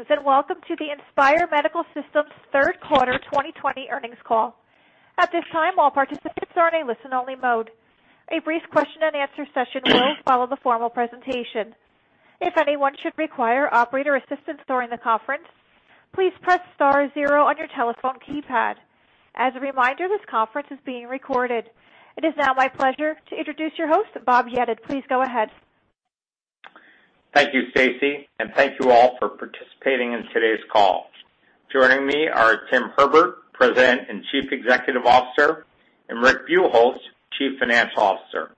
Greetings, and welcome to the Inspire Medical Systems third quarter 2020 earnings call. At this time, all participants are in a listen-only mode. A brief question-and-answer session will follow the formal presentation. If anyone should require operator assistance during the conference, please press star zero on your telephone keypad. As a reminder, this conference is being recorded. It is now my pleasure to introduce your host, Bob Yedid. Please go ahead. Thank you, Stacy, and thank you all for participating in today's call. Joining me are Tim Herbert, President and Chief Executive Officer, and Rick Buchholz, Chief Financial Officer.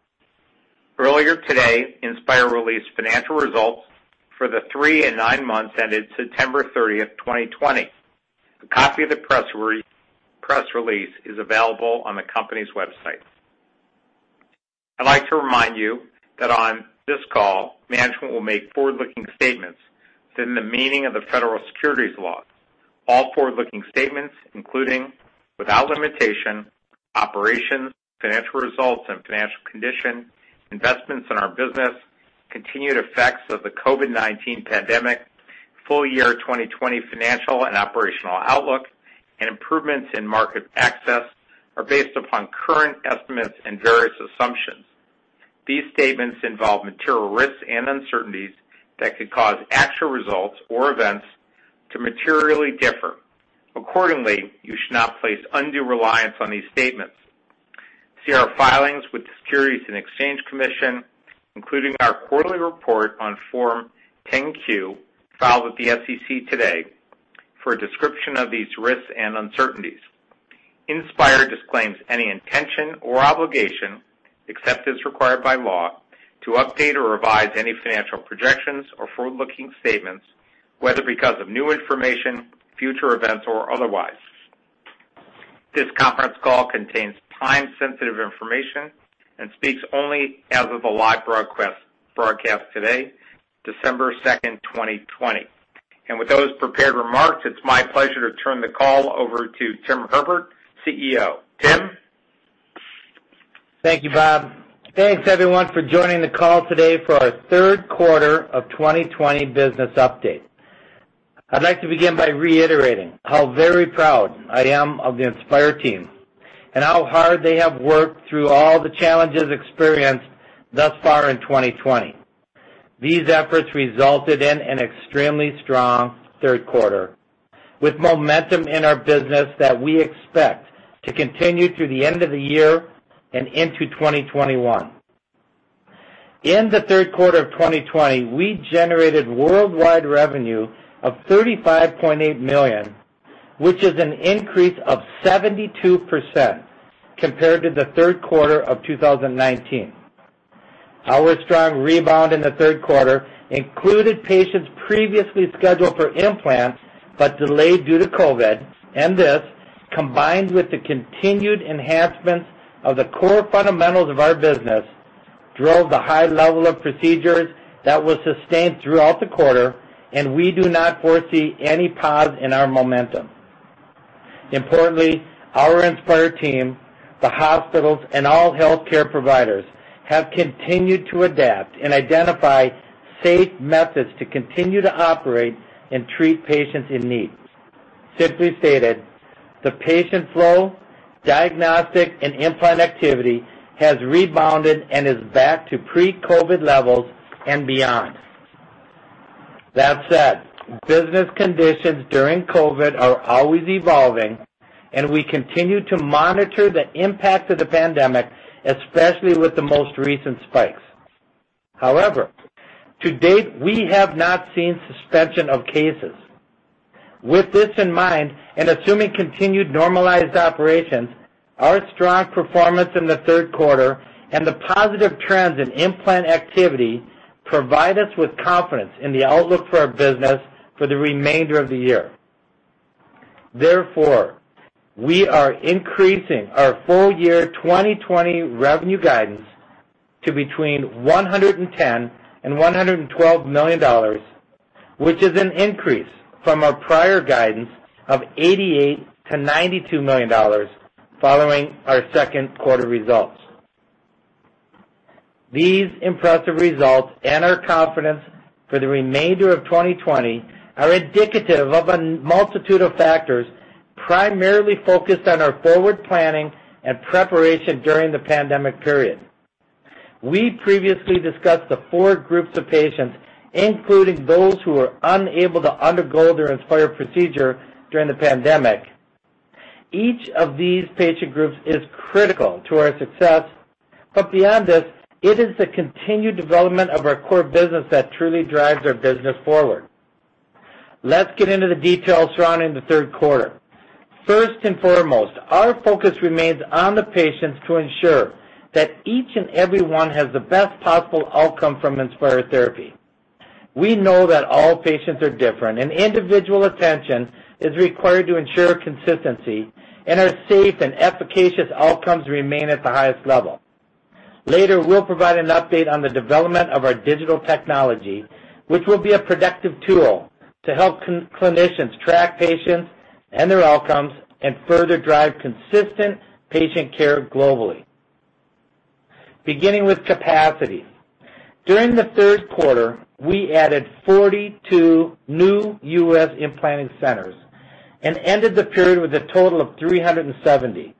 Earlier today, Inspire released financial results for the three and nine months ended September 30th, 2020. A copy of the press release is available on the company's website. I'd like to remind you that on this call, management will make forward-looking statements within the meaning of the federal securities laws. All forward-looking statements, including, without limitation, operations, financial results and financial condition, investments in our business, continued effects of the COVID-19 pandemic, full-year 2020 financial and operational outlook, improvements in market access are based upon current estimates and various assumptions. These statements involve material risks and uncertainties that could cause actual results or events to materially differ. Accordingly, you should not place undue reliance on these statements. See our filings with the Securities and Exchange Commission, including our quarterly report on Form 10-Q, filed with the SEC today for a description of these risks and uncertainties. Inspire disclaims any intention or obligation, except as required by law, to update or revise any financial projections or forward-looking statements, whether because of new information, future events, or otherwise. This conference call contains time-sensitive information and speaks only as of the live broadcast today, December 2nd, 2020. With those prepared remarks, it's my pleasure to turn the call over to Tim Herbert, CEO. Tim? Thank you, Bob. Thanks everyone for joining the call today for our third quarter of 2020 business update. I'd like to begin by reiterating how very proud I am of the Inspire team and how hard they have worked through all the challenges experienced thus far in 2020. These efforts resulted in an extremely strong third quarter with momentum in our business that we expect to continue through the end of the year and into 2021. In the third quarter of 2020, we generated worldwide revenue of $35.8 million, which is an increase of 72% compared to the third quarter of 2019. Our strong rebound in the third quarter included patients previously scheduled for implants but delayed due to COVID. This, combined with the continued enhancements of the core fundamentals of our business, drove the high level of procedures that was sustained throughout the quarter. We do not foresee any pause in our momentum. Importantly, our Inspire team, the hospitals, and all healthcare providers have continued to adapt and identify safe methods to continue to operate and treat patients in need. Simply stated, the patient flow, diagnostic, and implant activity has rebounded and is back to pre-COVID levels and beyond. That said, business conditions during COVID are always evolving. We continue to monitor the impact of the pandemic, especially with the most recent spikes. However, to date, we have not seen suspension of cases. With this in mind, and assuming continued normalized operations, our strong performance in the third quarter and the positive trends in implant activity provide us with confidence in the outlook for our business for the remainder of the year. Therefore, we are increasing our full-year 2020 revenue guidance to between $110 million and $112 million, which is an increase from our prior guidance of $88 million to $92 million following our second quarter results. These impressive results and our confidence for the remainder of 2020 are indicative of a multitude of factors, primarily focused on our forward planning and preparation during the pandemic period. We previously discussed the four groups of patients, including those who were unable to undergo their Inspire therapy during the pandemic. Each of these patient groups is critical to our success. Beyond this, it is the continued development of our core business that truly drives our business forward. Let's get into the details surrounding the third quarter. First and foremost, our focus remains on the patients to ensure that each and every one has the best possible outcome from Inspire therapy. We know that all patients are different, and individual attention is required to ensure consistency, and our safe and efficacious outcomes remain at the highest level. Later, we'll provide an update on the development of our digital technology, which will be a productive tool to help clinicians track patients and their outcomes and further drive consistent patient care globally. Beginning with capacity. During the third quarter, we added 42 new U.S. implanting centers and ended the period with a total of 370.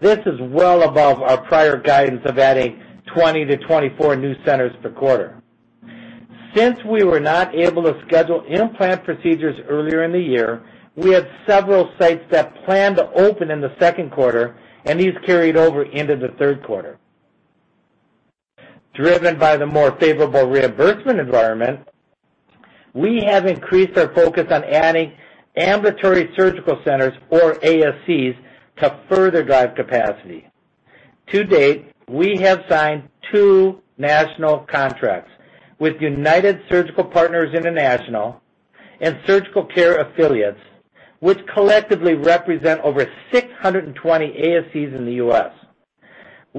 This is well above our prior guidance of adding 20-24 new centers per quarter. Since we were not able to schedule implant procedures earlier in the year, we had several sites that planned to open in the second quarter, and these carried over into the third quarter. Driven by the more favorable reimbursement environment, we have increased our focus on adding ambulatory surgical centers, or ASCs, to further drive capacity. To date, we have signed two national contracts with United Surgical Partners International and Surgical Care Affiliates, which collectively represent over 620 ASCs in the U.S.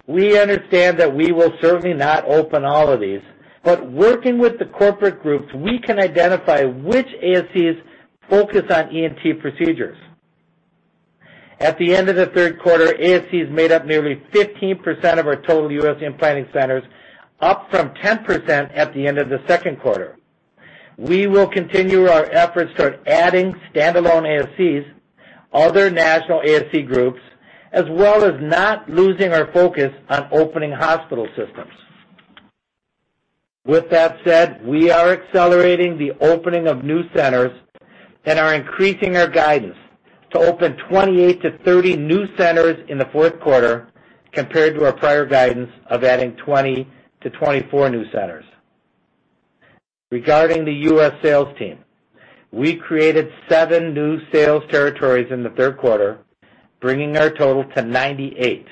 We understand that we will certainly not open all of these, but working with the corporate groups, we can identify which ASCs focus on ENT procedures. At the end of the third quarter, ASCs made up nearly 15% of our total U.S. implanting centers, up from 10% at the end of the second quarter. We will continue our efforts toward adding standalone ASCs, other national ASC groups, as well as not losing our focus on opening hospital systems. With that said, we are accelerating the opening of new centers and are increasing our guidance to open 28-30 new centers in the fourth quarter, compared to our prior guidance of adding 20-24 new centers. Regarding the U.S. sales team, we created seven new sales territories in the third quarter, bringing our total to 98.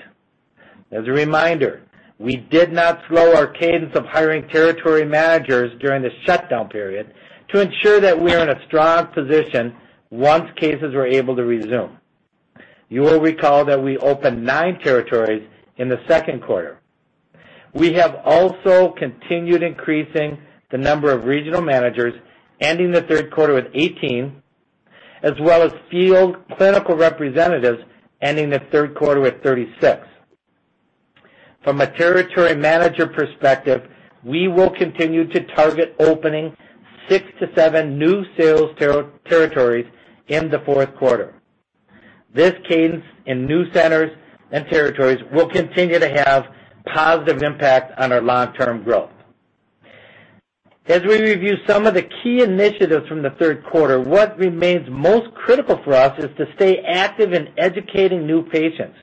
As a reminder, we did not slow our cadence of hiring territory managers during the shutdown period to ensure that we are in a strong position once cases were able to resume. You will recall that we opened nine territories in the second quarter. We have also continued increasing the number of regional managers, ending the third quarter with 18, as well as field clinical representatives ending the third quarter with 36. From a territory manager perspective, we will continue to target opening six to seven new sales territories in the fourth quarter. This cadence in new centers and territories will continue to have positive impact on our long-term growth. As we review some of the key initiatives from the third quarter, what remains most critical for us is to stay active in educating new patients.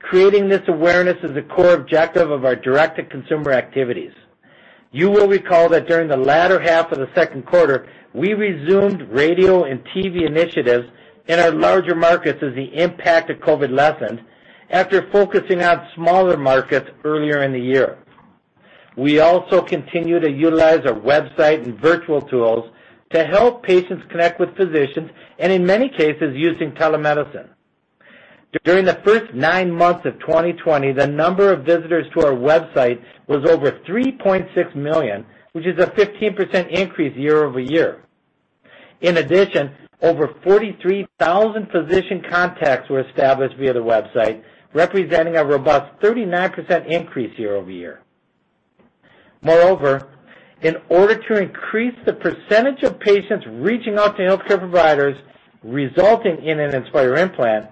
Creating this awareness is a core objective of our direct-to-consumer activities. You will recall that during the latter half of the second quarter, we resumed radio and TV initiatives in our larger markets as the impact of COVID lessened after focusing on smaller markets earlier in the year. We also continue to utilize our website and virtual tools to help patients connect with physicians, and in many cases, using telemedicine. During the first nine months of 2020, the number of visitors to our website was over 3.6 million, which is a 15% increase year-over-year. In addition, over 43,000 physician contacts were established via the website, representing a robust 39% increase year-over-year. Moreover, in order to increase the percentage of patients reaching out to healthcare providers resulting in an Inspire implant,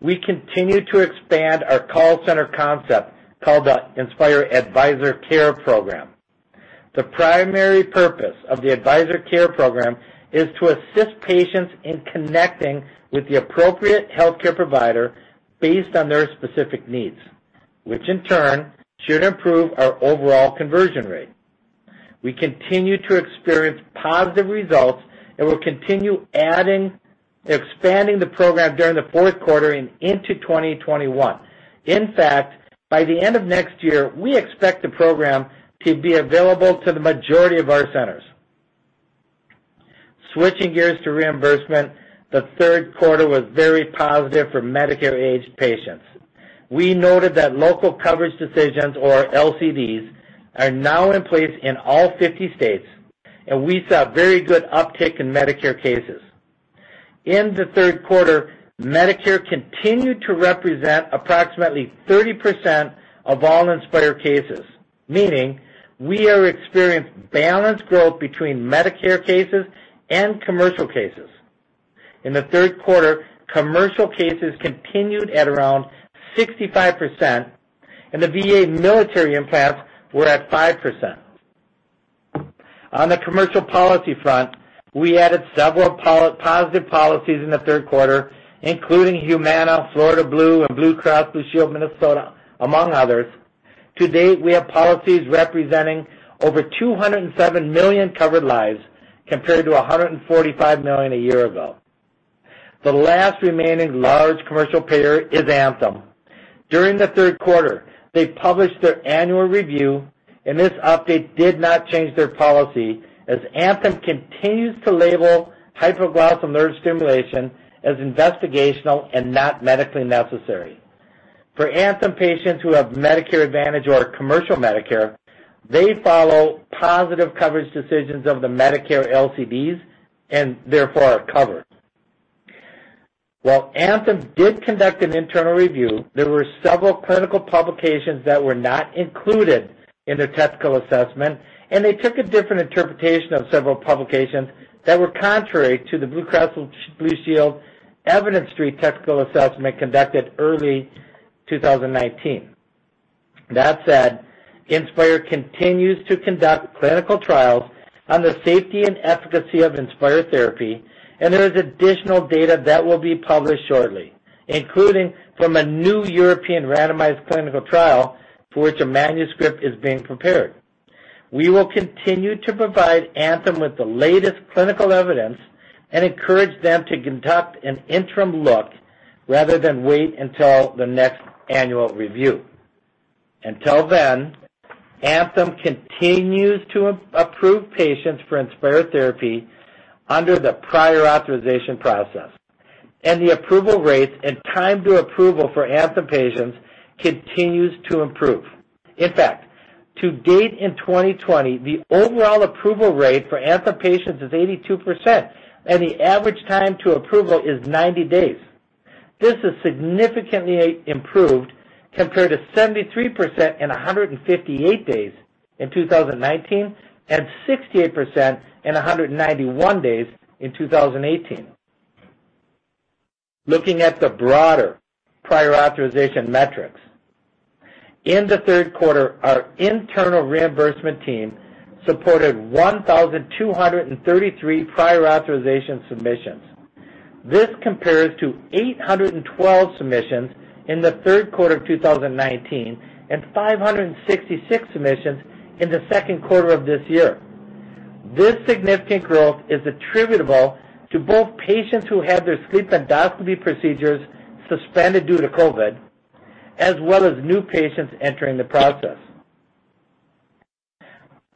we continue to expand our call center concept, called the Inspire Advisor Care Program. The primary purpose of the Advisor Care Program is to assist patients in connecting with the appropriate healthcare provider based on their specific needs, which in turn should improve our overall conversion rate. We continue to experience positive results and will continue adding, expanding the program during the fourth quarter and into 2021. In fact, by the end of next year, we expect the program to be available to the majority of our centers. Switching gears to reimbursement, the third quarter was very positive for Medicare-aged patients. We noted that local coverage decisions, or LCDs, are now in place in all 50 states, and we saw very good uptick in Medicare cases. In the third quarter, Medicare continued to represent approximately 30% of all Inspire cases, meaning we are experiencing balanced growth between Medicare cases and commercial cases. In the third quarter, commercial cases continued at around 65%, and the VA military implants were at 5%. On the commercial policy front, we added several positive policies in the third quarter, including Humana, Florida Blue, and Blue Cross Blue Shield Minnesota, among others. To date, we have policies representing over 207 million covered lives, compared to 145 million a year ago. The last remaining large commercial payer is Anthem. During the third quarter, they published their annual review. This update did not change their policy, as Anthem continues to label hypoglossal nerve stimulation as investigational and not medically necessary. For Anthem patients who have Medicare Advantage or commercial Medicare, they follow positive coverage decisions of the Medicare LCDs and therefore are covered. While Anthem did conduct an internal review, there were several clinical publications that were not included in their technical assessment, and they took a different interpretation of several publications that were contrary to the Blue Cross Blue Shield Evidence Street technical assessment conducted early 2019. Inspire continues to conduct clinical trials on the safety and efficacy of Inspire therapy, and there is additional data that will be published shortly, including from a new European randomized clinical trial, for which a manuscript is being prepared. We will continue to provide Anthem with the latest clinical evidence and encourage them to conduct an interim look rather than wait until the next annual review. Until then, Anthem continues to approve patients for Inspire therapy under the prior authorization process, and the approval rates and time to approval for Anthem patients continues to improve. In fact, to date in 2020, the overall approval rate for Anthem patients is 82%, and the average time to approval is 90 days. This has significantly improved compared to 73% and 158 days in 2019, and 68% and 191 days in 2018. Looking at the broader prior authorization metrics. In the third quarter, our internal reimbursement team supported 1,233 prior authorization submissions. This compares to 812 submissions in the third quarter of 2019 and 566 submissions in the second quarter of this year. This significant growth is attributable to both patients who had their sleep endoscopy procedures suspended due to COVID, as well as new patients entering the process.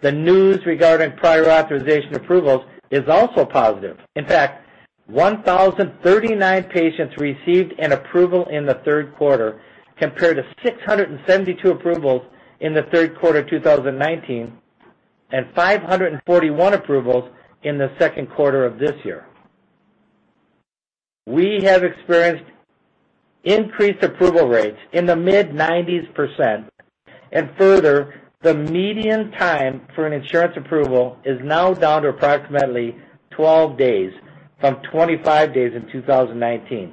The news regarding prior authorization approvals is also positive. In fact, 1,039 patients received an approval in the third quarter, compared to 672 approvals in the third quarter of 2019 and 541 approvals in the second quarter of this year. We have experienced increased approval rates in the mid-90s%, and further, the median time for an insurance approval is now down to approximately 12 days from 25 days in 2019.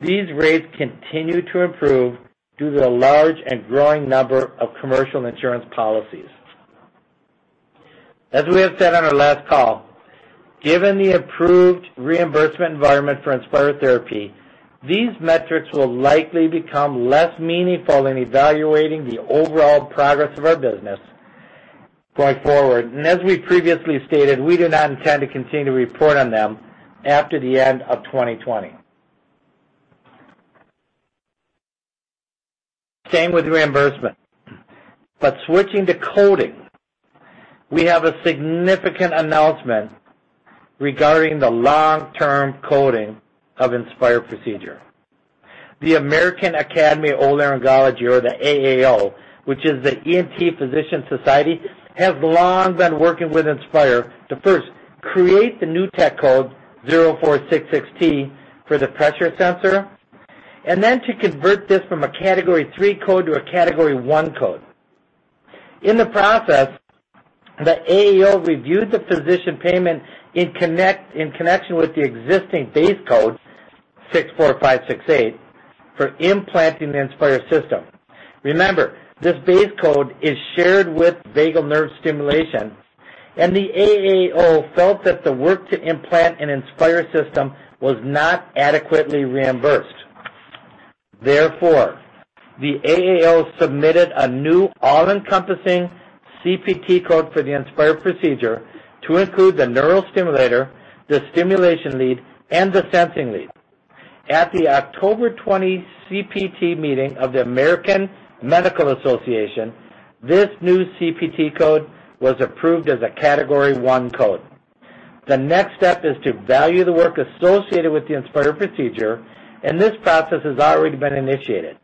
These rates continue to improve due to the large and growing number of commercial insurance policies. As we have said on our last call, given the approved reimbursement environment for Inspire therapy, these metrics will likely become less meaningful in evaluating the overall progress of our business going forward. As we previously stated, we do not intend to continue to report on them after the end of 2020. Same with reimbursement. Switching to coding, we have a significant announcement regarding the long-term coding of Inspire procedure. The American Academy of Otolaryngology, or the AAO, which is the ENT physician society, have long been working with Inspire to first create the new tech code 04616 for the pressure sensor, and then to convert this from a Category III code to a Category I code. In the process, the AAO reviewed the physician payment in connection with the existing base code, 64568, for implanting the Inspire system. Remember, this base code is shared with vagus nerve stimulation, and the AAO felt that the work to implant an Inspire system was not adequately reimbursed. Therefore, the AAO submitted a new all-encompassing CPT code for the Inspire procedure to include the neurostimulator, the stimulation lead, and the sensing lead. At the October 20 CPT meeting of the American Medical Association, this new CPT code was approved as a Category I code. The next step is to value the work associated with the Inspire procedure, and this process has already been initiated.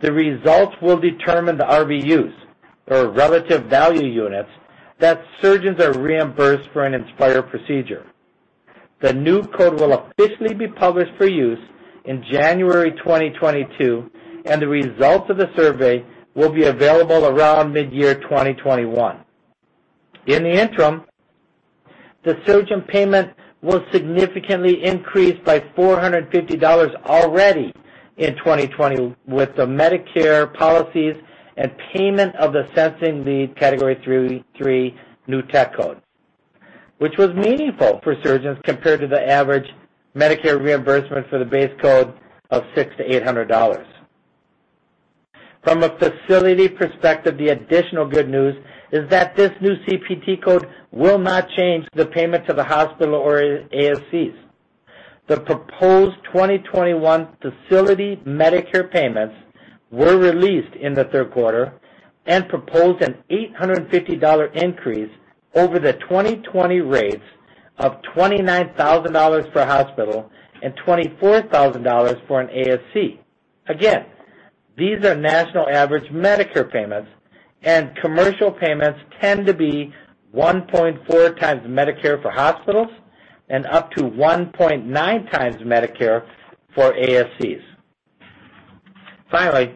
The results will determine the RVUs, or relative value units, that surgeons are reimbursed for an Inspire procedure. The new code will officially be published for use in January 2022, and the results of the survey will be available around mid-year 2021. In the interim, the surgeon payment will significantly increase by $450 already in 2020 with the Medicare policies and payment of the sensing lead Category III new tech code, which was meaningful for surgeons compared to the average Medicare reimbursement for the base code of $600-$800. From a facility perspective, the additional good news is that this new CPT code will not change the payment to the hospital or ASCs. The proposed 2021 facility Medicare payments were released in the third quarter and proposed an $850 increase over the 2020 rates of $29,000 for a hospital and $24,000 for an ASC. Again, these are national average Medicare payments, and commercial payments tend to be 1.4x Medicare for hospitals and up to 1.9x Medicare for ASCs. Finally,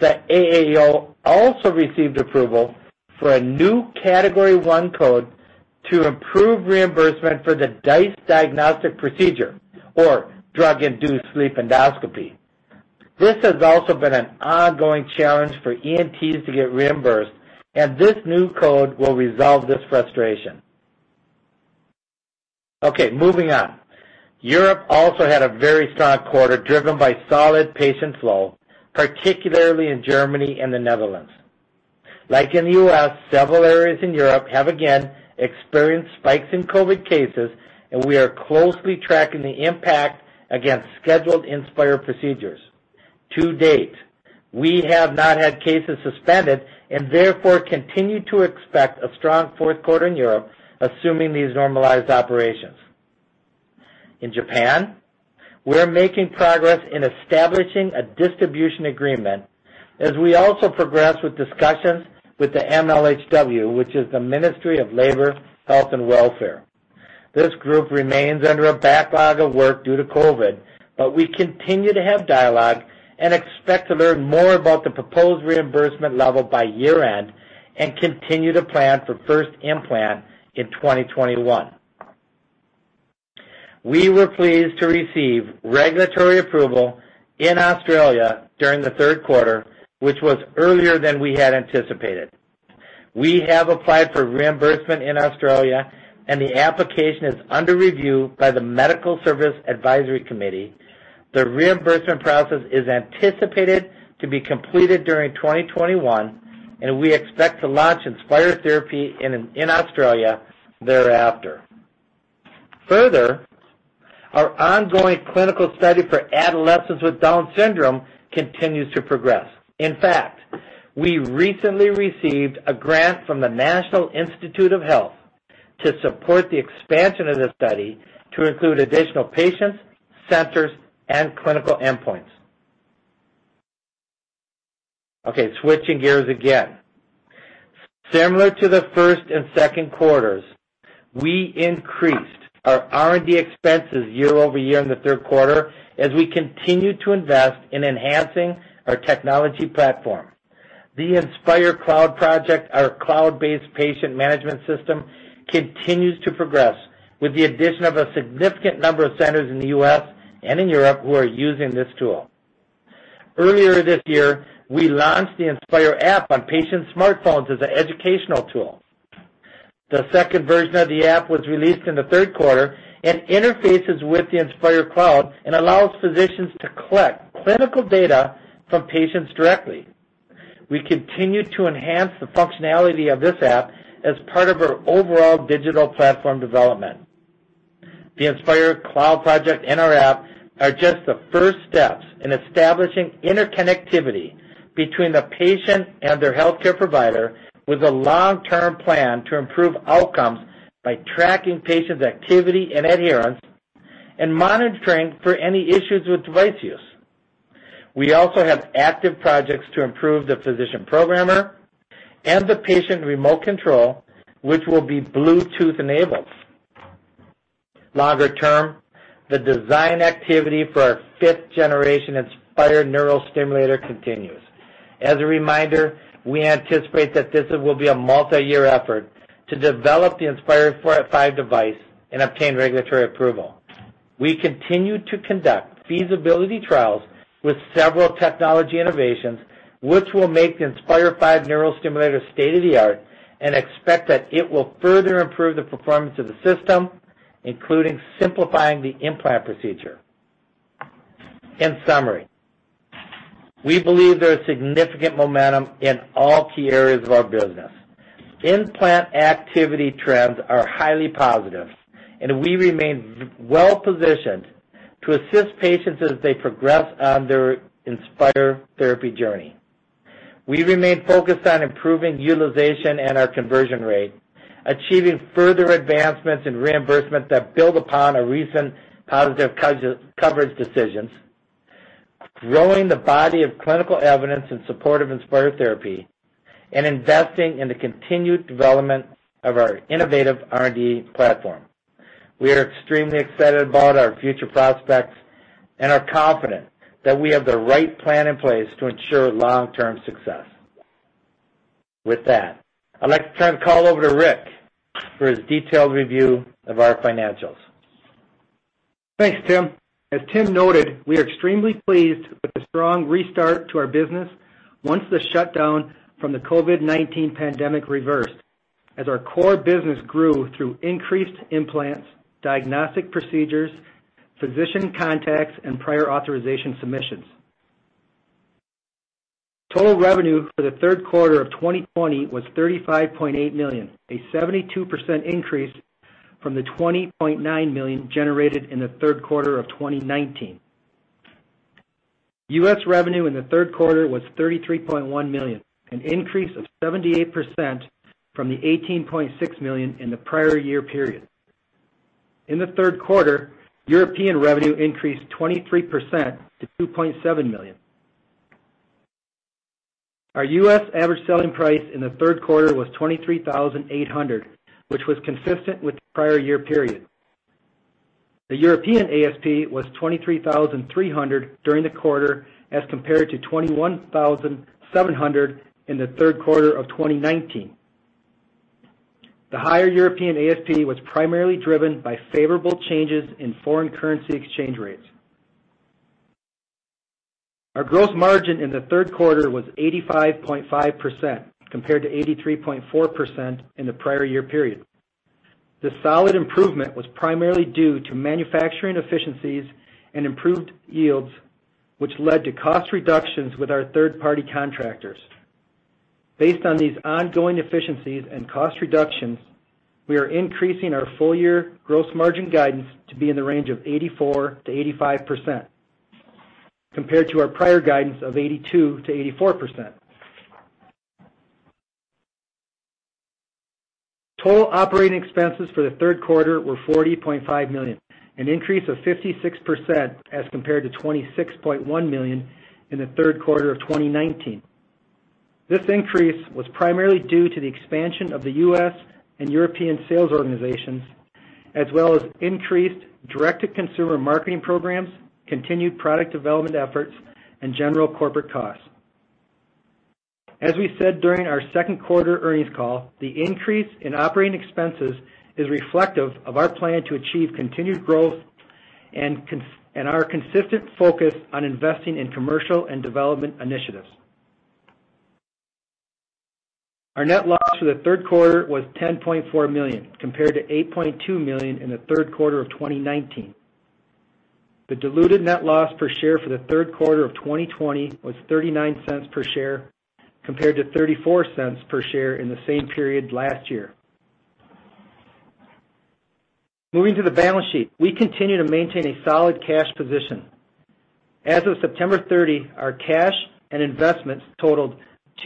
the AAO also received approval for a new Category I code to improve reimbursement for the DISE diagnostic procedure or Drug-Induced Sleep Endoscopy. This has also been an ongoing challenge for ENTs to get reimbursed, and this new code will resolve this frustration. Okay, moving on. Europe also had a very strong quarter driven by solid patient flow, particularly in Germany and the Netherlands. Like in the U.S., several areas in Europe have again experienced spikes in COVID cases, and we are closely tracking the impact against scheduled Inspire procedures. To date, we have not had cases suspended and therefore, continue to expect a strong fourth quarter in Europe, assuming these normalized operations. In Japan, we're making progress in establishing a distribution agreement as we also progress with discussions with the MHLW, which is the Ministry of Health, Labour and Welfare. This group remains under a backlog of work due to COVID, but we continue to have dialogue and expect to learn more about the proposed reimbursement level by year-end and continue to plan for first implant in 2021. We were pleased to receive regulatory approval in Australia during the third quarter, which was earlier than we had anticipated. We have applied for reimbursement in Australia, and the application is under review by the Medical Services Advisory Committee. The reimbursement process is anticipated to be completed during 2021, and we expect to launch Inspire therapy in Australia thereafter. Further, our ongoing clinical study for adolescents with Down syndrome continues to progress. In fact, we recently received a grant from the National Institutes of Health to support the expansion of this study to include additional patients, centers, and clinical endpoints. Okay, switching gears again. Similar to the first and second quarters, we increased our R&D expenses year-over-year in the third quarter as we continued to invest in enhancing our technology platform. The Inspire Cloud Project, our cloud-based patient management system, continues to progress with the addition of a significant number of centers in the U.S. and in Europe who are using this tool. Earlier this year, we launched the Inspire app on patient smartphones as an educational tool. The second version of the app was released in the third quarter and interfaces with the Inspire Cloud and allows physicians to collect clinical data from patients directly. We continue to enhance the functionality of this app as part of our overall digital platform development. The Inspire Cloud Project and our app are just the first steps in establishing interconnectivity between the patient and their healthcare provider with a long-term plan to improve outcomes by tracking patients' activity and adherence and monitoring for any issues with device use. We also have active projects to improve the physician programmer and the patient remote control, which will be Bluetooth-enabled. Longer term, the design activity for our fifth generation Inspire neurostimulator continues. As a reminder, we anticipate that this will be a multi-year effort to develop the Inspire V device and obtain regulatory approval. We continue to conduct feasibility trials with several technology innovations, which will make the Inspire 5 neurostimulator state-of-the-art and expect that it will further improve the performance of the system, including simplifying the implant procedure. In summary, we believe there is significant momentum in all key areas of our business. Implant activity trends are highly positive, and we remain well-positioned to assist patients as they progress on their Inspire therapy journey. We remain focused on improving utilization and our conversion rate, achieving further advancements in reimbursement that build upon our recent positive coverage decisions, growing the body of clinical evidence in support of Inspire therapy, and investing in the continued development of our innovative R&D platform. We are extremely excited about our future prospects and are confident that we have the right plan in place to ensure long-term success. With that, I'd like to turn the call over to Rick for his detailed review of our financials. Thanks, Tim. As Tim noted, we are extremely pleased with the strong restart to our business once the shutdown from the COVID-19 pandemic reversed as our core business grew through increased implants, diagnostic procedures, physician contacts, and prior authorization submissions. Total revenue for the third quarter of 2020 was $35.8 million, a 72% increase from the $20.9 million generated in the third quarter of 2019. U.S. revenue in the third quarter was $33.1 million, an increase of 78% from the $18.6 million in the prior year period. In the third quarter, European revenue increased 23% to $2.7 million. Our U.S. average selling price in the third quarter was $23,800, which was consistent with the prior year period. The European ASP was $23,300 during the quarter, as compared to $21,700 in the third quarter of 2019. The higher European ASP was primarily driven by favorable changes in foreign currency exchange rates. Our gross margin in the third quarter was 85.5%, compared to 83.4% in the prior year period. The solid improvement was primarily due to manufacturing efficiencies and improved yields, which led to cost reductions with our third-party contractors. Based on these ongoing efficiencies and cost reductions, we are increasing our full-year gross margin guidance to be in the range of 84%-85%, compared to our prior guidance of 82%-84%. Total operating expenses for the third quarter were $40.5 million, an increase of 56% as compared to $26.1 million in the third quarter of 2019. This increase was primarily due to the expansion of the U.S. and European sales organizations, as well as increased direct-to-consumer marketing programs, continued product development efforts, and general corporate costs. As we said during our second quarter earnings call, the increase in operating expenses is reflective of our plan to achieve continued growth and our consistent focus on investing in commercial and development initiatives. Our net loss for the third quarter was $10.4 million, compared to $8.2 million in the third quarter of 2019. The diluted net loss per share for the third quarter of 2020 was $0.39 per share, compared to $0.34 per share in the same period last year. Moving to the balance sheet, we continue to maintain a solid cash position. As of September 30, our cash and investments totaled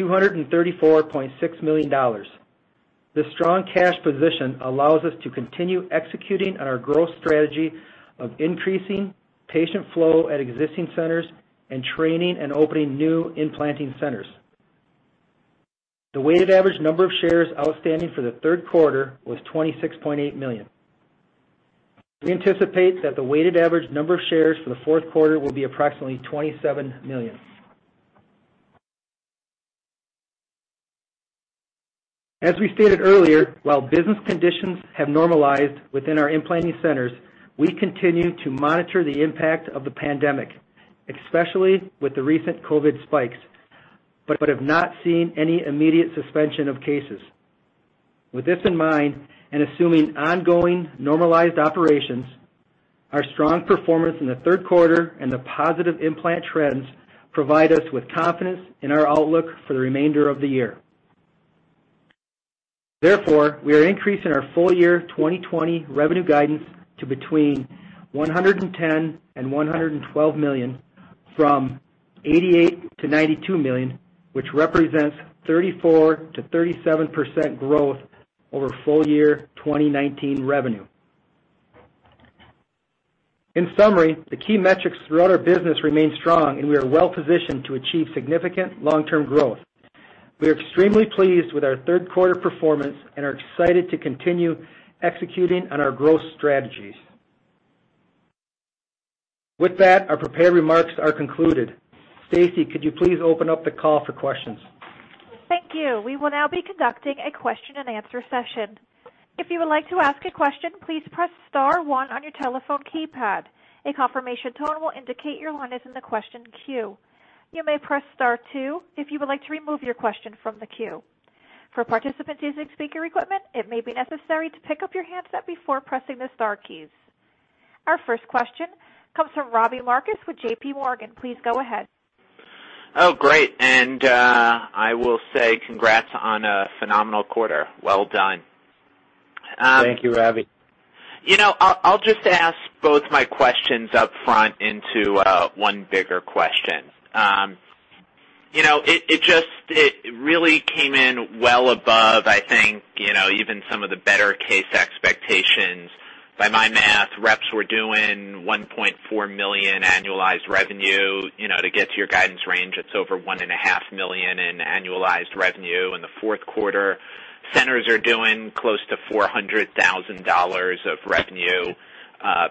$234.6 million. This strong cash position allows us to continue executing on our growth strategy of increasing patient flow at existing centers and training and opening new implanting centers. The weighted average number of shares outstanding for the third quarter was 26.8 million. We anticipate that the weighted average number of shares for the fourth quarter will be approximately 27 million. As we stated earlier, while business conditions have normalized within our implanting centers, we continue to monitor the impact of the pandemic, especially with the recent COVID spikes, but have not seen any immediate suspension of cases. With this in mind, and assuming ongoing normalized operations, our strong performance in the third quarter and the positive implant trends provide us with confidence in our outlook for the remainder of the year. We are increasing our full-year 2020 revenue guidance to between $110 and $112 million from $88 million-$92 million, which represents 34%-37% growth over full-year 2019 revenue. In summary, the key metrics throughout our business remain strong, and we are well positioned to achieve significant long-term growth. We are extremely pleased with our third quarter performance and are excited to continue executing on our growth strategies. With that, our prepared remarks are concluded. Stacy, could you please open up the call for questions? Thank you. We will now be conducting a question-and-answer session. If you would like to ask a question please press star one on your telephone keypad. A confirmation tone will indicate your line is in the question queue. You may press star two if you would like to remove your question from the queue. For participants using speaker equipment it may be necessary to pick up your handset before pressing the star key. Our first question comes from Robbie Marcus with JPMorgan. Please go ahead. Oh, great. I will say congrats on a phenomenal quarter. Well done. Thank you, Robbie. I'll just ask both my questions up front into one bigger question. It really came in well above, I think, even some of the better case expectations. By my math, reps were doing $1.4 million annualized revenue. To get to your guidance range, it's over $1.5 million in annualized revenue in the fourth quarter. Centers are doing close to $400,000 of revenue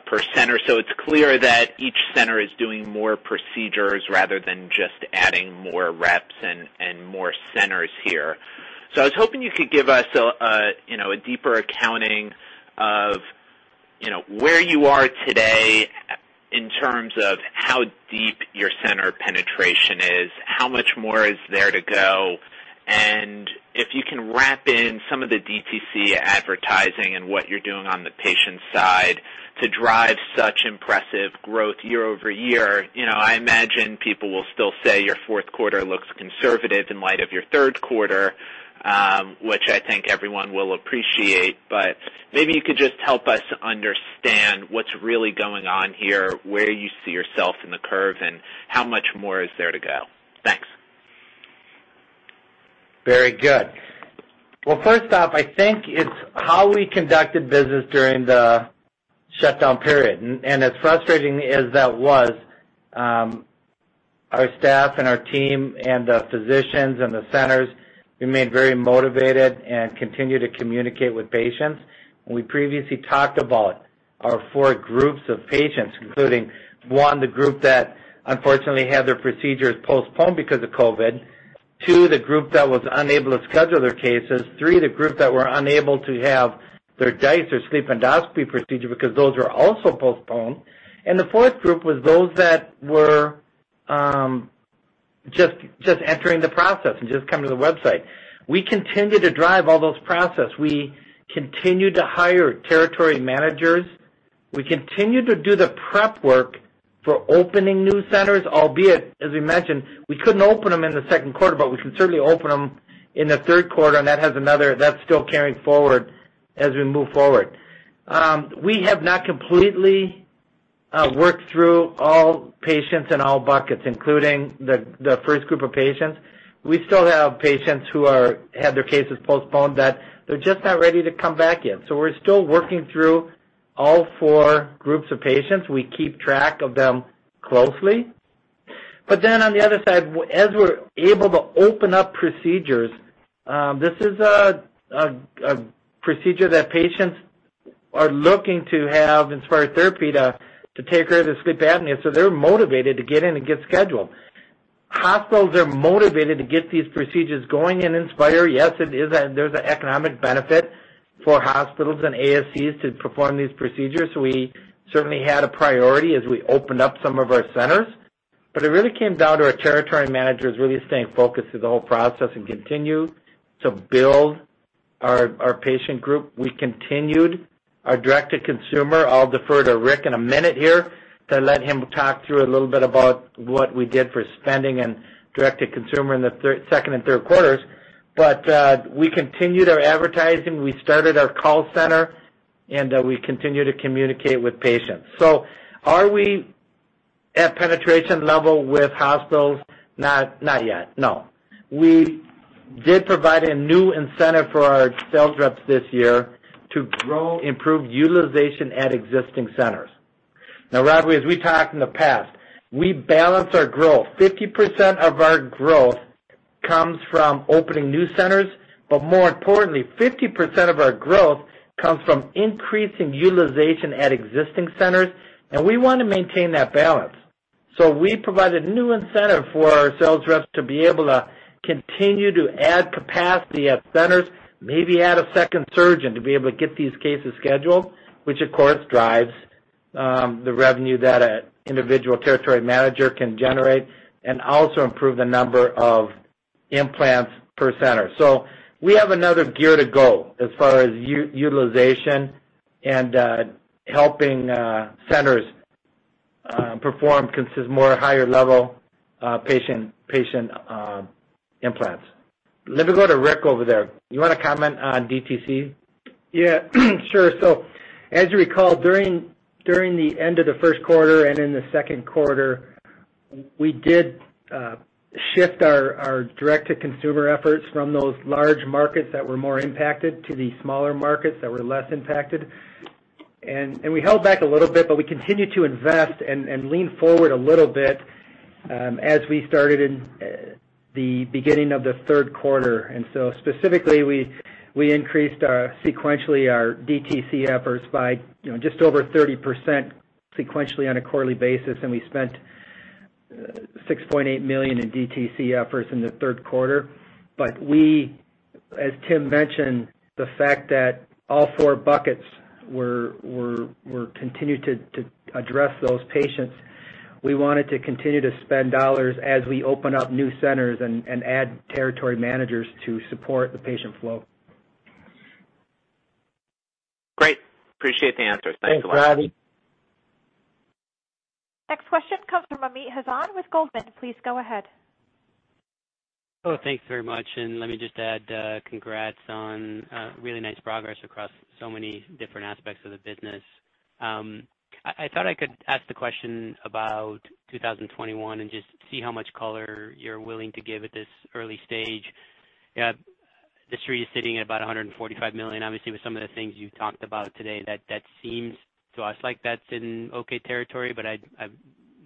per center, so it's clear that each center is doing more procedures rather than just adding more reps and more centers here. I was hoping you could give us a deeper accounting of where you are today in terms of how deep your center penetration is, how much more is there to go, and if you can wrap in some of the DTC advertising and what you're doing on the patient side to drive such impressive growth year-over-year? I imagine people will still say your fourth quarter looks conservative in light of your third quarter, which I think everyone will appreciate. Maybe you could just help us understand what's really going on here, where you see yourself in the curve, and how much more is there to go. Thanks. Very good. As frustrating as that was, our staff and our team and the physicians and the centers remained very motivated and continued to communicate with patients. We previously talked about our four groups of patients, including, one, the group that unfortunately had their procedures postponed because of COVID-19. Two, the group that was unable to schedule their cases. Three, the group that were unable to have their DISE or sleep endoscopy procedure because those were also postponed. The fourth group was those that were just entering the process and just coming to the website. We continued to drive all those process. We continued to hire territory managers. We continued to do the prep work for opening new centers, albeit, as we mentioned, we couldn't open them in the second quarter, but we could certainly open them in the third quarter, and that's still carrying forward as we move forward. We have not completely worked through all patients in all buckets, including the first group of patients. We still have patients who had their cases postponed that they're just not ready to come back yet. We're still working through all four groups of patients. We keep track of them closely. On the other side, as we're able to open up procedures, this is a procedure that patients are looking to have Inspire therapy to take care of their sleep apnea. They're motivated to get in and get scheduled. Hospitals are motivated to get these procedures going in Inspire. There's an economic benefit for hospitals and ASCs to perform these procedures. We certainly had a priority as we opened up some of our centers. It really came down to our territory managers really staying focused through the whole process and continue to build our patient group. We continued our direct-to-consumer. I'll defer to Rick in a minute here to let him talk through a little bit about what we did for spending and direct-to-consumer in the second and third quarters. We continued our advertising, we started our call center, and we continued to communicate with patients. Are we at penetration level with hospitals? Not yet, no. We did provide a new incentive for our sales reps this year to grow, improve utilization at existing centers. Robbie, as we talked in the past, we balance our growth. 50% of our growth comes from opening new centers. More importantly, 50% of our growth comes from increasing utilization at existing centers. We want to maintain that balance. We provided new incentive for our sales reps to be able to continue to add capacity at centers, maybe add a second surgeon to be able to get these cases scheduled, which of course drives the revenue that an individual territory manager can generate and also improve the number of implants per center. We have another gear to go as far as utilization and helping centers perform more higher-level patient implants. Let me go to Rick over there. You want to comment on DTC? Yeah, sure. As you recall, during the end of the first quarter and in the second quarter, we did shift our direct-to-consumer efforts from those large markets that were more impacted to the smaller markets that were less impacted. We held back a little bit, we continued to invest and lean forward a little bit as we started in the beginning of the third quarter. Specifically, we increased sequentially our DTC efforts by just over 30% sequentially on a quarterly basis, we spent $6.8 million in DTC efforts in the third quarter. We, as Tim mentioned, the fact that all four buckets were continued to address those patients, we wanted to continue to spend dollars as we open up new centers and add territory managers to support the patient flow. Great. Appreciate the answers. Thanks a lot. Thanks, Robbie. Next question comes from Amit Hazan with Goldman. Please go ahead. Oh, thanks very much. Let me just add congrats on really nice progress across so many different aspects of the business. I thought I could ask the question about 2021. Just see how much color you're willing to give at this early stage. The street is sitting at about $145 million. Obviously, with some of the things you've talked about today, that seems to us like that's in okay territory. I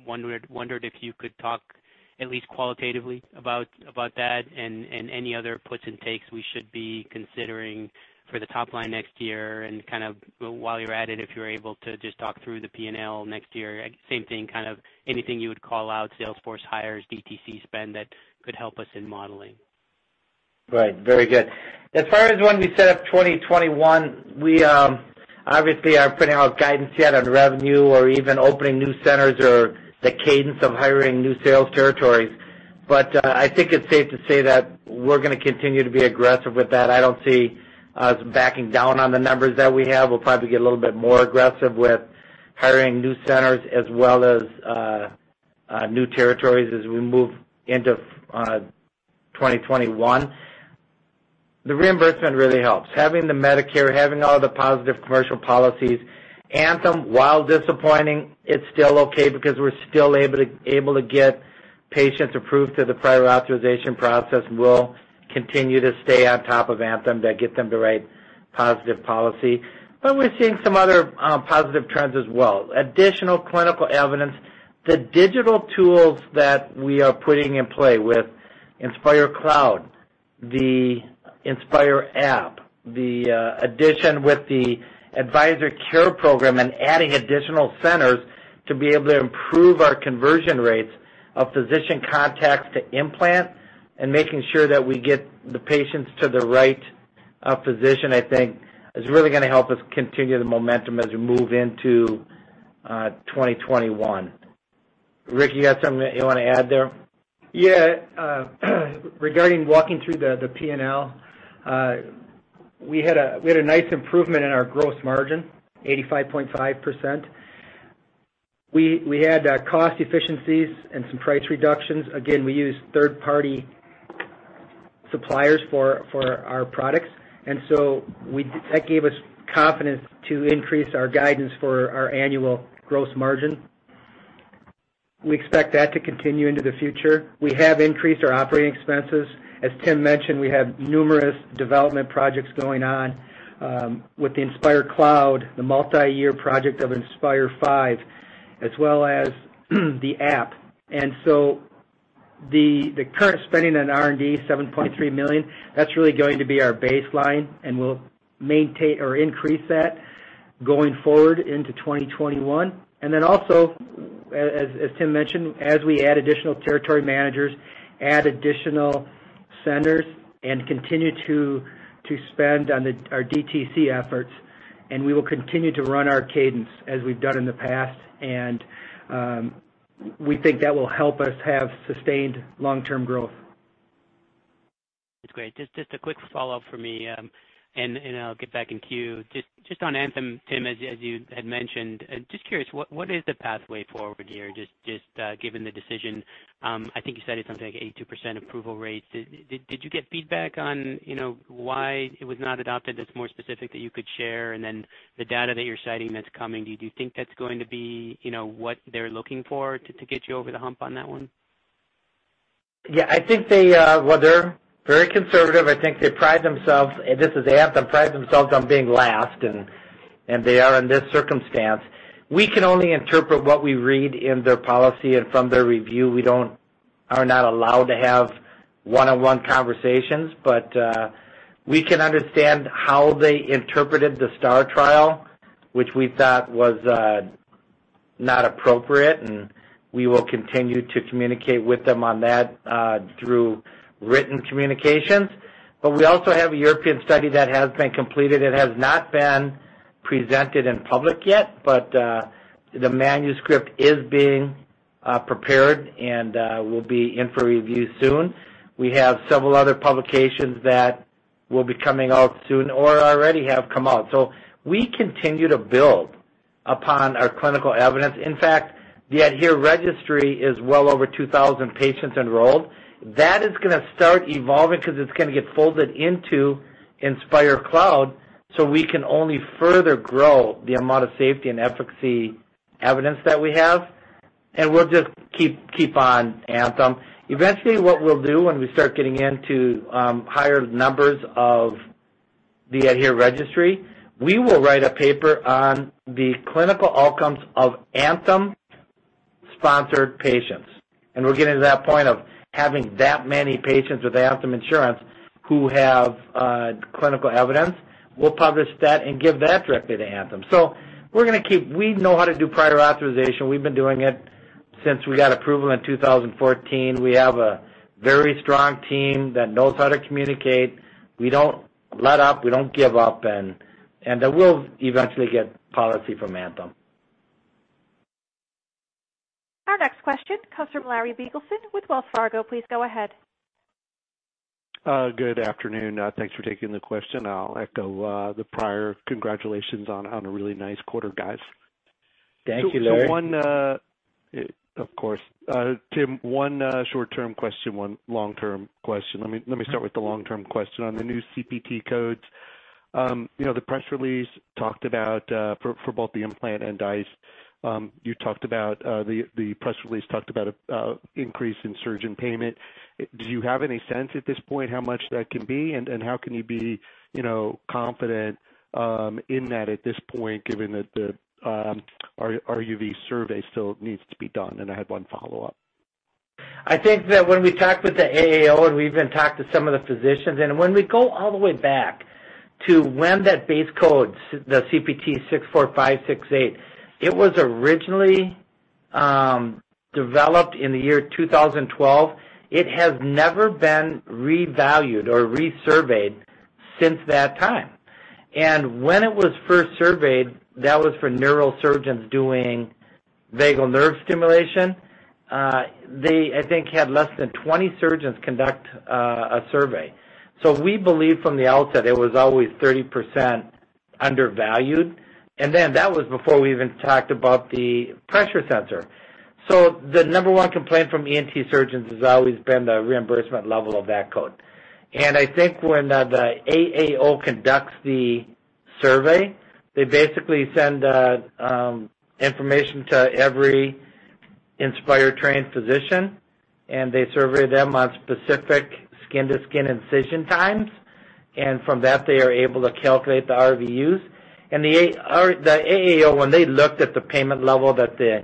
wondered if you could talk at least qualitatively about that and any other puts and takes we should be considering for the top line next year. Kind of while you're at it, if you're able to just talk through the P&L next year. Same thing, kind of anything you would call out, sales force hires, DTC spend that could help us in modeling. Right. Very good. As far as when we set up 2021, we obviously aren't putting out guidance yet on revenue or even opening new centers or the cadence of hiring new sales territories. I think it's safe to say that we're going to continue to be aggressive with that. I don't see us backing down on the numbers that we have. We'll probably get a little bit more aggressive with hiring new centers as well as new territories as we move into 2021. The reimbursement really helps. Having the Medicare, having all the positive commercial policies. Anthem, while disappointing, it's still okay because we're still able to get patients approved through the prior authorization process. We'll continue to stay on top of Anthem to get them to write positive policy. We're seeing some other positive trends as well. Additional clinical evidence, the digital tools that we are putting in play with Inspire Cloud, the Inspire app, the addition with the Advisor Care Program and adding additional centers to be able to improve our conversion rates of physician contacts to implant and making sure that we get the patients to the right physician, I think, is really going to help us continue the momentum as we move into 2021. Rick, you have something that you want to add there? Yeah. Regarding walking through the P&L, we had a nice improvement in our gross margin, 85.5%. We had cost efficiencies and some price reductions. Again, we use third-party suppliers for our products. That gave us confidence to increase our guidance for our annual gross margin. We expect that to continue into the future. We have increased our operating expenses. As Tim mentioned, we have numerous development projects going on with the Inspire Cloud, the multi-year project of Inspire V, as well as the app. The current spending on R&D, $7.3 million, that's really going to be our baseline, and we'll maintain or increase that going forward into 2021. Also, as Tim mentioned, as we add additional territory managers, add additional centers, and continue to spend on our DTC efforts, and we will continue to run our cadence as we've done in the past. We think that will help us have sustained long-term growth. That's great. Just a quick follow-up from me, and I'll get back in queue. Just on Anthem, Tim, as you had mentioned, just curious, what is the pathway forward here, just given the decision? I think you said it's something like 82% approval rates. Did you get feedback on why it was not adopted that's more specific that you could share? The data that you're citing that's coming, do you think that's going to be what they're looking for to get you over the hump on that one? Yeah, I think they're very conservative. I think they pride themselves, this is Anthem, pride themselves on being last, and they are in this circumstance. We can only interpret what we read in their policy and from their review. We are not allowed to have one-on-one conversations, but we can understand how they interpreted the STAR trial, which we thought was not appropriate, and we will continue to communicate with them on that through written communications. We also have a European study that has been completed. It has not been presented in public yet, but the manuscript is being prepared and will be in for review soon. We have several other publications that will be coming out soon or already have come out. We continue to build upon our clinical evidence. In fact, the ADHERE Registry is well over 2,000 patients enrolled. That is going to start evolving because it's going to get folded into Inspire Cloud, so we can only further grow the amount of safety and efficacy evidence that we have. We'll just keep on Anthem. Eventually, what we'll do when we start getting into higher numbers of the ADHERE Registry, we will write a paper on the clinical outcomes of Anthem-sponsored patients. We're getting to that point of having that many patients with Anthem insurance who have clinical evidence. We'll publish that and give that directly to Anthem. We know how to do prior authorization. We've been doing it since we got approval in 2014. We have a very strong team that knows how to communicate. We don't let up. We don't give up, and we'll eventually get policy from Anthem. Our next question comes from Larry Biegelsen with Wells Fargo. Please go ahead. Good afternoon. Thanks for taking the question. I'll echo the prior congratulations on a really nice quarter, guys. Thank you, Larry. Of course. Tim, one short-term question, one long-term question. Let me start with the long-term question on the new CPT codes. The press release talked about for both the implant and DISE. The press release talked about increase in surgeon payment. Do you have any sense at this point how much that can be, and how can you be confident in that at this point, given that the RUC survey still needs to be done? I have one follow-up. When we talked with the AAO, and we even talked to some of the physicians, and when we go all the way back to when that base code, the CPT 64568, it was originally developed in the year 2012. It has never been revalued or resurveyed since that time. When it was first surveyed, that was for neurosurgeons doing vagus nerve stimulation. They had less than 20 surgeons conduct a survey. We believe from the outset it was always 30% undervalued. That was before we even talked about the pressure sensor. The number one complaint from ENT surgeons has always been the reimbursement level of that code. When the AAO conducts the survey, they basically send information to every Inspire-trained physician, and they survey them on specific skin-to-skin incision times. From that, they are able to calculate the RVUs. The AAO, when they looked at the payment level that the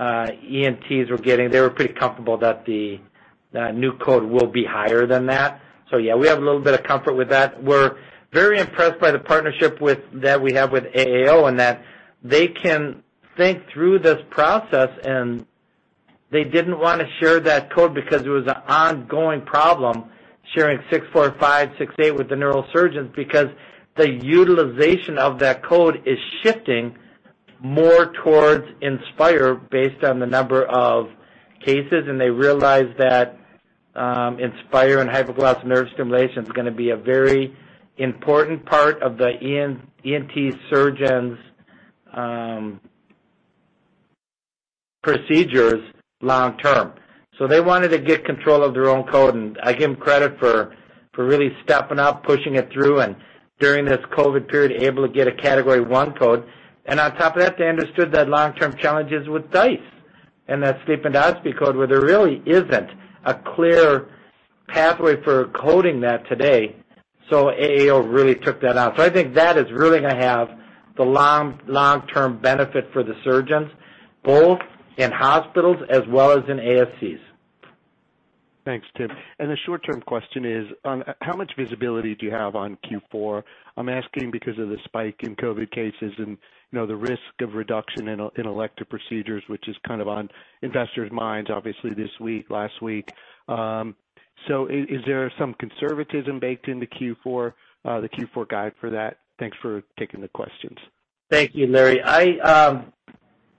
ENTs were getting, they were pretty comfortable that the new code will be higher than that. Yeah, we have a little bit of comfort with that. We're very impressed by the partnership that we have with AAO, in that they can think through this process, and they didn't want to share that code because it was an ongoing problem, sharing 64568 with the neural surgeons because the utilization of that code is shifting more towards Inspire based on the number of cases. They realize that Inspire and hypoglossal nerve stimulation is going to be a very important part of the ENT surgeons' procedures long term. They wanted to get control of their own code, and I give them credit for really stepping up, pushing it through, and during this COVID-19 period, able to get a Category I code. On top of that, they understood that long-term challenge is with DISE and that sleep endoscopy code, where there really isn't a clear pathway for coding that today. AAO really took that on. I think that is really going to have the long-term benefit for the surgeons, both in hospitals as well as in ASCs. Thanks, Tim. The short-term question is, how much visibility do you have on Q4? I'm asking because of the spike in COVID cases and the risk of reduction in elective procedures, which is kind of on investors' minds, obviously this week, last week. Is there some conservatism baked in the Q4 guide for that? Thanks for taking the questions. Thank you, Larry. I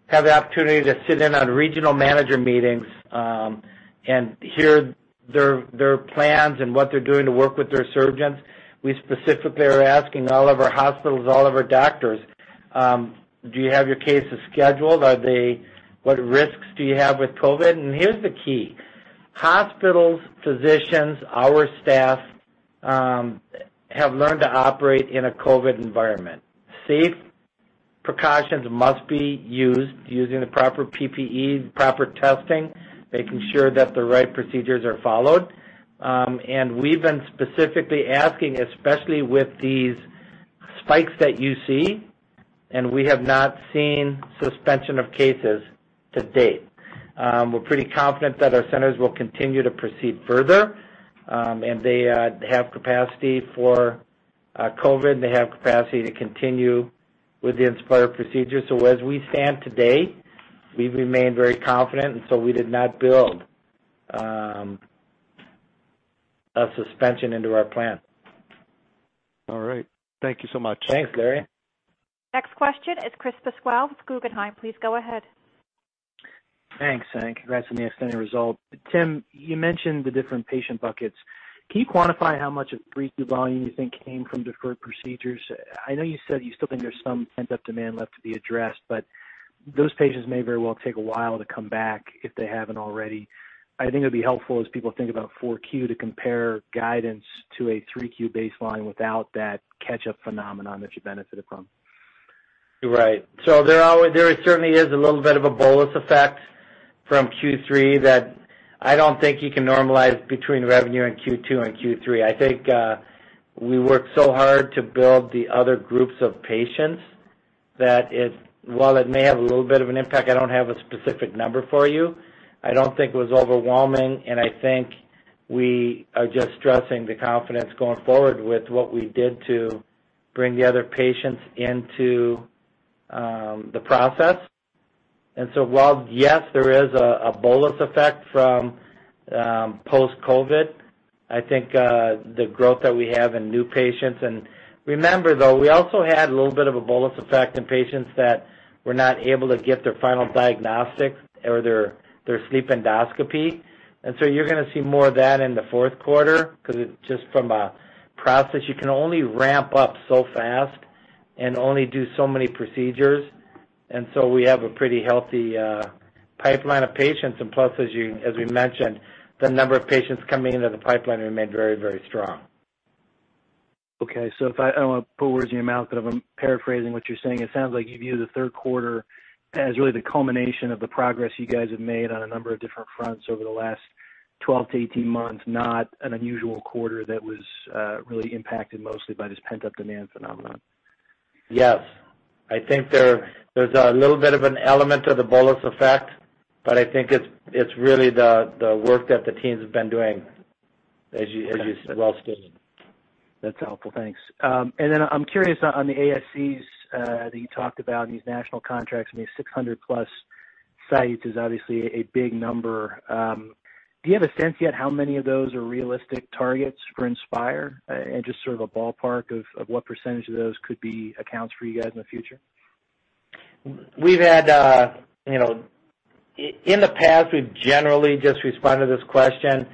have the opportunity to sit in on regional manager meetings and hear their plans and what they're doing to work with their surgeons. We specifically are asking all of our hospitals, all of our doctors, Do you have your cases scheduled? What risks do you have with COVID? Here's the key. Hospitals, physicians, our staff have learned to operate in a COVID environment. Safe precautions must be used using the proper PPE, proper testing, making sure that the right procedures are followed. We've been specifically asking, especially with these spikes that you see, and we have not seen suspension of cases to date. We're pretty confident that our centers will continue to proceed further, and they have capacity for COVID and they have capacity to continue with the Inspire procedure. As we stand today, we've remained very confident, and so we did not build a suspension into our plan. All right. Thank you so much. Thanks, Larry. Next question is Chris Pasquale with Guggenheim. Please go ahead. Thanks. Congrats on the outstanding result. Tim, you mentioned the different patient buckets. Can you quantify how much of 3Q volume you think came from deferred procedures? I know you said you still think there's some pent-up demand left to be addressed, those patients may very well take a while to come back if they haven't already. I think it'd be helpful as people think about 4Q to compare guidance to a 3Q baseline without that catch-up phenomenon that you benefited from. Right. There certainly is a little bit of a bolus effect from Q3 that I don't think you can normalize between revenue in Q2 and Q3. I think we worked so hard to build the other groups of patients that while it may have a little bit of an impact, I don't have a specific number for you. I don't think it was overwhelming, and I think we are just stressing the confidence going forward with what we did to bring the other patients into the process. While, yes, there is a bolus effect from post-COVID, I think the growth that we have in new patients and Remember, though, we also had a little bit of a bolus effect in patients that were not able to get their final diagnostic or their sleep endoscopy. You're going to see more of that in the fourth quarter because it's just from a process. You can only ramp up so fast and only do so many procedures. We have a pretty healthy pipeline of patients. Plus, as we mentioned, the number of patients coming into the pipeline remained very strong. Okay. I don't want to put words in your mouth, but if I'm paraphrasing what you're saying, it sounds like you view the third quarter as really the culmination of the progress you guys have made on a number of different fronts over the last 12-18 months, not an unusual quarter that was really impacted mostly by this pent-up demand phenomenon. Yes. I think there's a little bit of an element of the bolus effect, but I think it's really the work that the teams have been doing, as you well stated. That's helpful. Thanks. Then I'm curious on the ASCs that you talked about and these national contracts. I mean, 600+ sites is obviously a big number. Do you have a sense yet how many of those are realistic targets for Inspire and just sort of a ballpark of what percentage of those could be accounts for you guys in the future? In the past, we've generally just responded to this question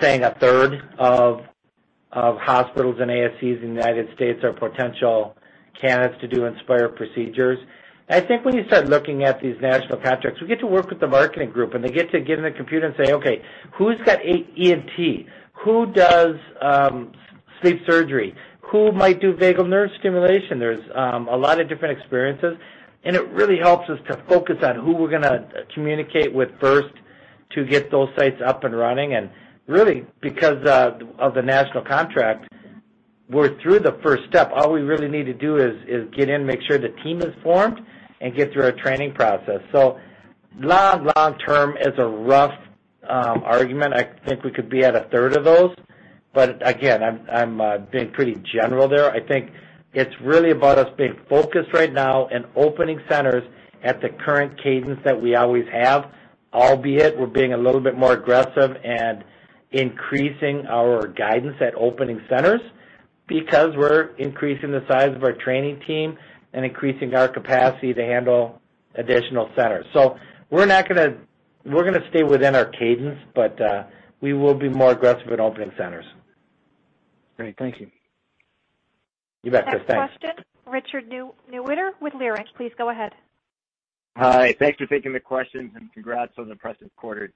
saying a third of hospitals and ASCs in the U.S. are potential candidates to do Inspire procedures. I think when you start looking at these national contracts, we get to work with the marketing group, and they get to get in the computer and say, Okay, who's got ENT? Who does sleep surgery? Who might do vagus nerve stimulation? There's a lot of different experiences. It really helps us to focus on who we're going to communicate with first to get those sites up and running. Really, because of the national contract, we're through the first step. All we really need to do is get in, make sure the team is formed, and get through our training process. Long, long term is a rough argument. I think we could be at a third of those. Again, I'm being pretty general there. I think it's really about us being focused right now and opening centers at the current cadence that we always have, albeit we're being a little bit more aggressive and increasing our guidance at opening centers because we're increasing the size of our training team and increasing our capacity to handle additional centers. We're going to stay within our cadence, but we will be more aggressive at opening centers. Great. Thank you. You bet, Chris. Thanks. Next question, Richard Newitter with Leerink. Please go ahead. Hi. Thanks for taking the questions, and congrats on the impressive quarter.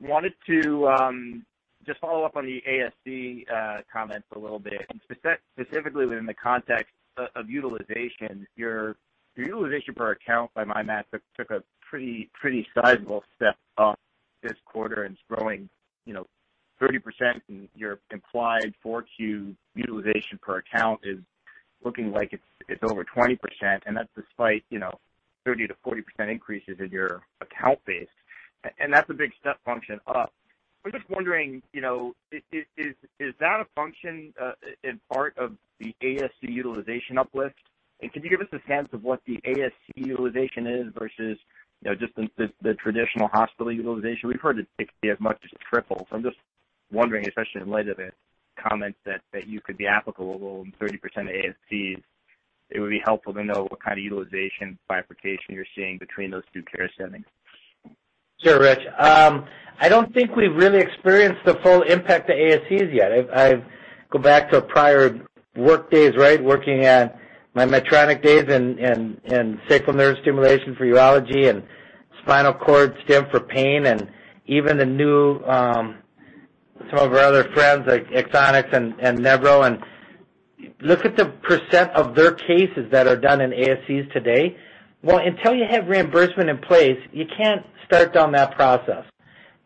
Wanted to just follow up on the ASC comments a little bit, specifically within the context of utilization. Your utilization per account, by my math, took a pretty sizable step up this quarter and is growing 30%, your implied 4Q utilization per account is looking like it's over 20%, and that's despite 30%-40% increases in your account base. That's a big step function up. I'm just wondering, is that a function in part of the ASC utilization uplift? Could you give us a sense of what the ASC utilization is versus just the traditional hospital utilization? We've heard it could be as much as triple. I'm just wondering, especially in light of the comments that you could be applicable in 30% of ASCs, it would be helpful to know what kind of utilization bifurcation you're seeing between those two care settings. Sure, Rich. I don't think we've really experienced the full impact of ASCs yet. I go back to prior work days, working at my Medtronic days and sacral nerve stimulation for urology and spinal cord stimulation for pain, and even the new, some of our other friends, like Axonics and Nevro, and look at the % of their cases that are done in ASCs today. Well, until you have reimbursement in place, you can't start down that process.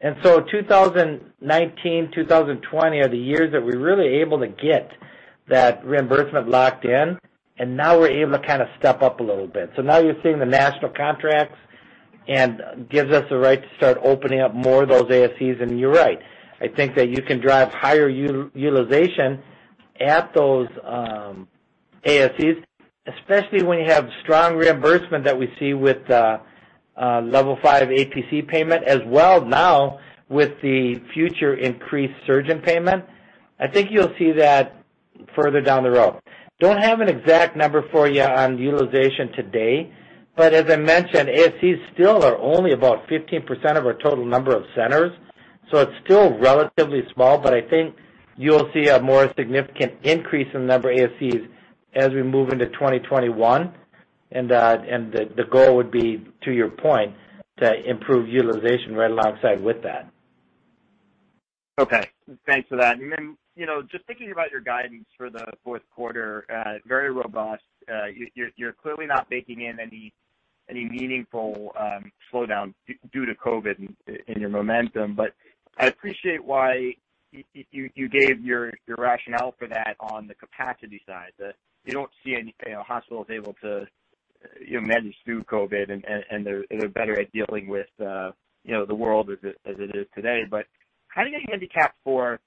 2019, 2020 are the years that we're really able to get that reimbursement locked in, and now we're able to kind of step up a little bit. Now you're seeing the national contracts and gives us the right to start opening up more of those ASCs. You're right. I think that you can drive higher utilization at those ASCs, especially when you have strong reimbursement that we see with Level 5 APC payment as well now with the future increased surgeon payment. I think you'll see that further down the road. Don't have an exact number for you on utilization today, but as I mentioned, ASCs still are only about 15% of our total number of centers, so it's still relatively small, but I think you'll see a more significant increase in the number of ASCs as we move into 2021, and the goal would be, to your point, to improve utilization right alongside with that. Okay. Thanks for that. Just thinking about your guidance for the fourth quarter, very robust. You're clearly not baking in any meaningful slowdown due to COVID in your momentum, but I appreciate why you gave your rationale for that on the capacity side, that you don't see any hospitals able to manage through COVID, and they're better at dealing with the world as it is today. How are you going to handicap for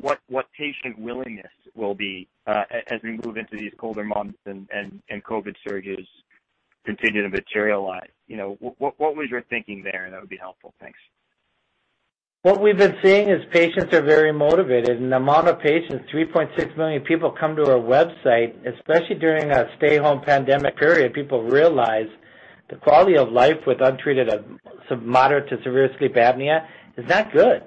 what patient willingness will be as we move into these colder months and COVID surges continue to materialize? What was your thinking there? That would be helpful. Thanks. What we've been seeing is patients are very motivated. The amount of patients, 3.6 million people come to our website, especially during a stay-home pandemic period, people realize the quality of life with untreated moderate to severe sleep apnea is not good.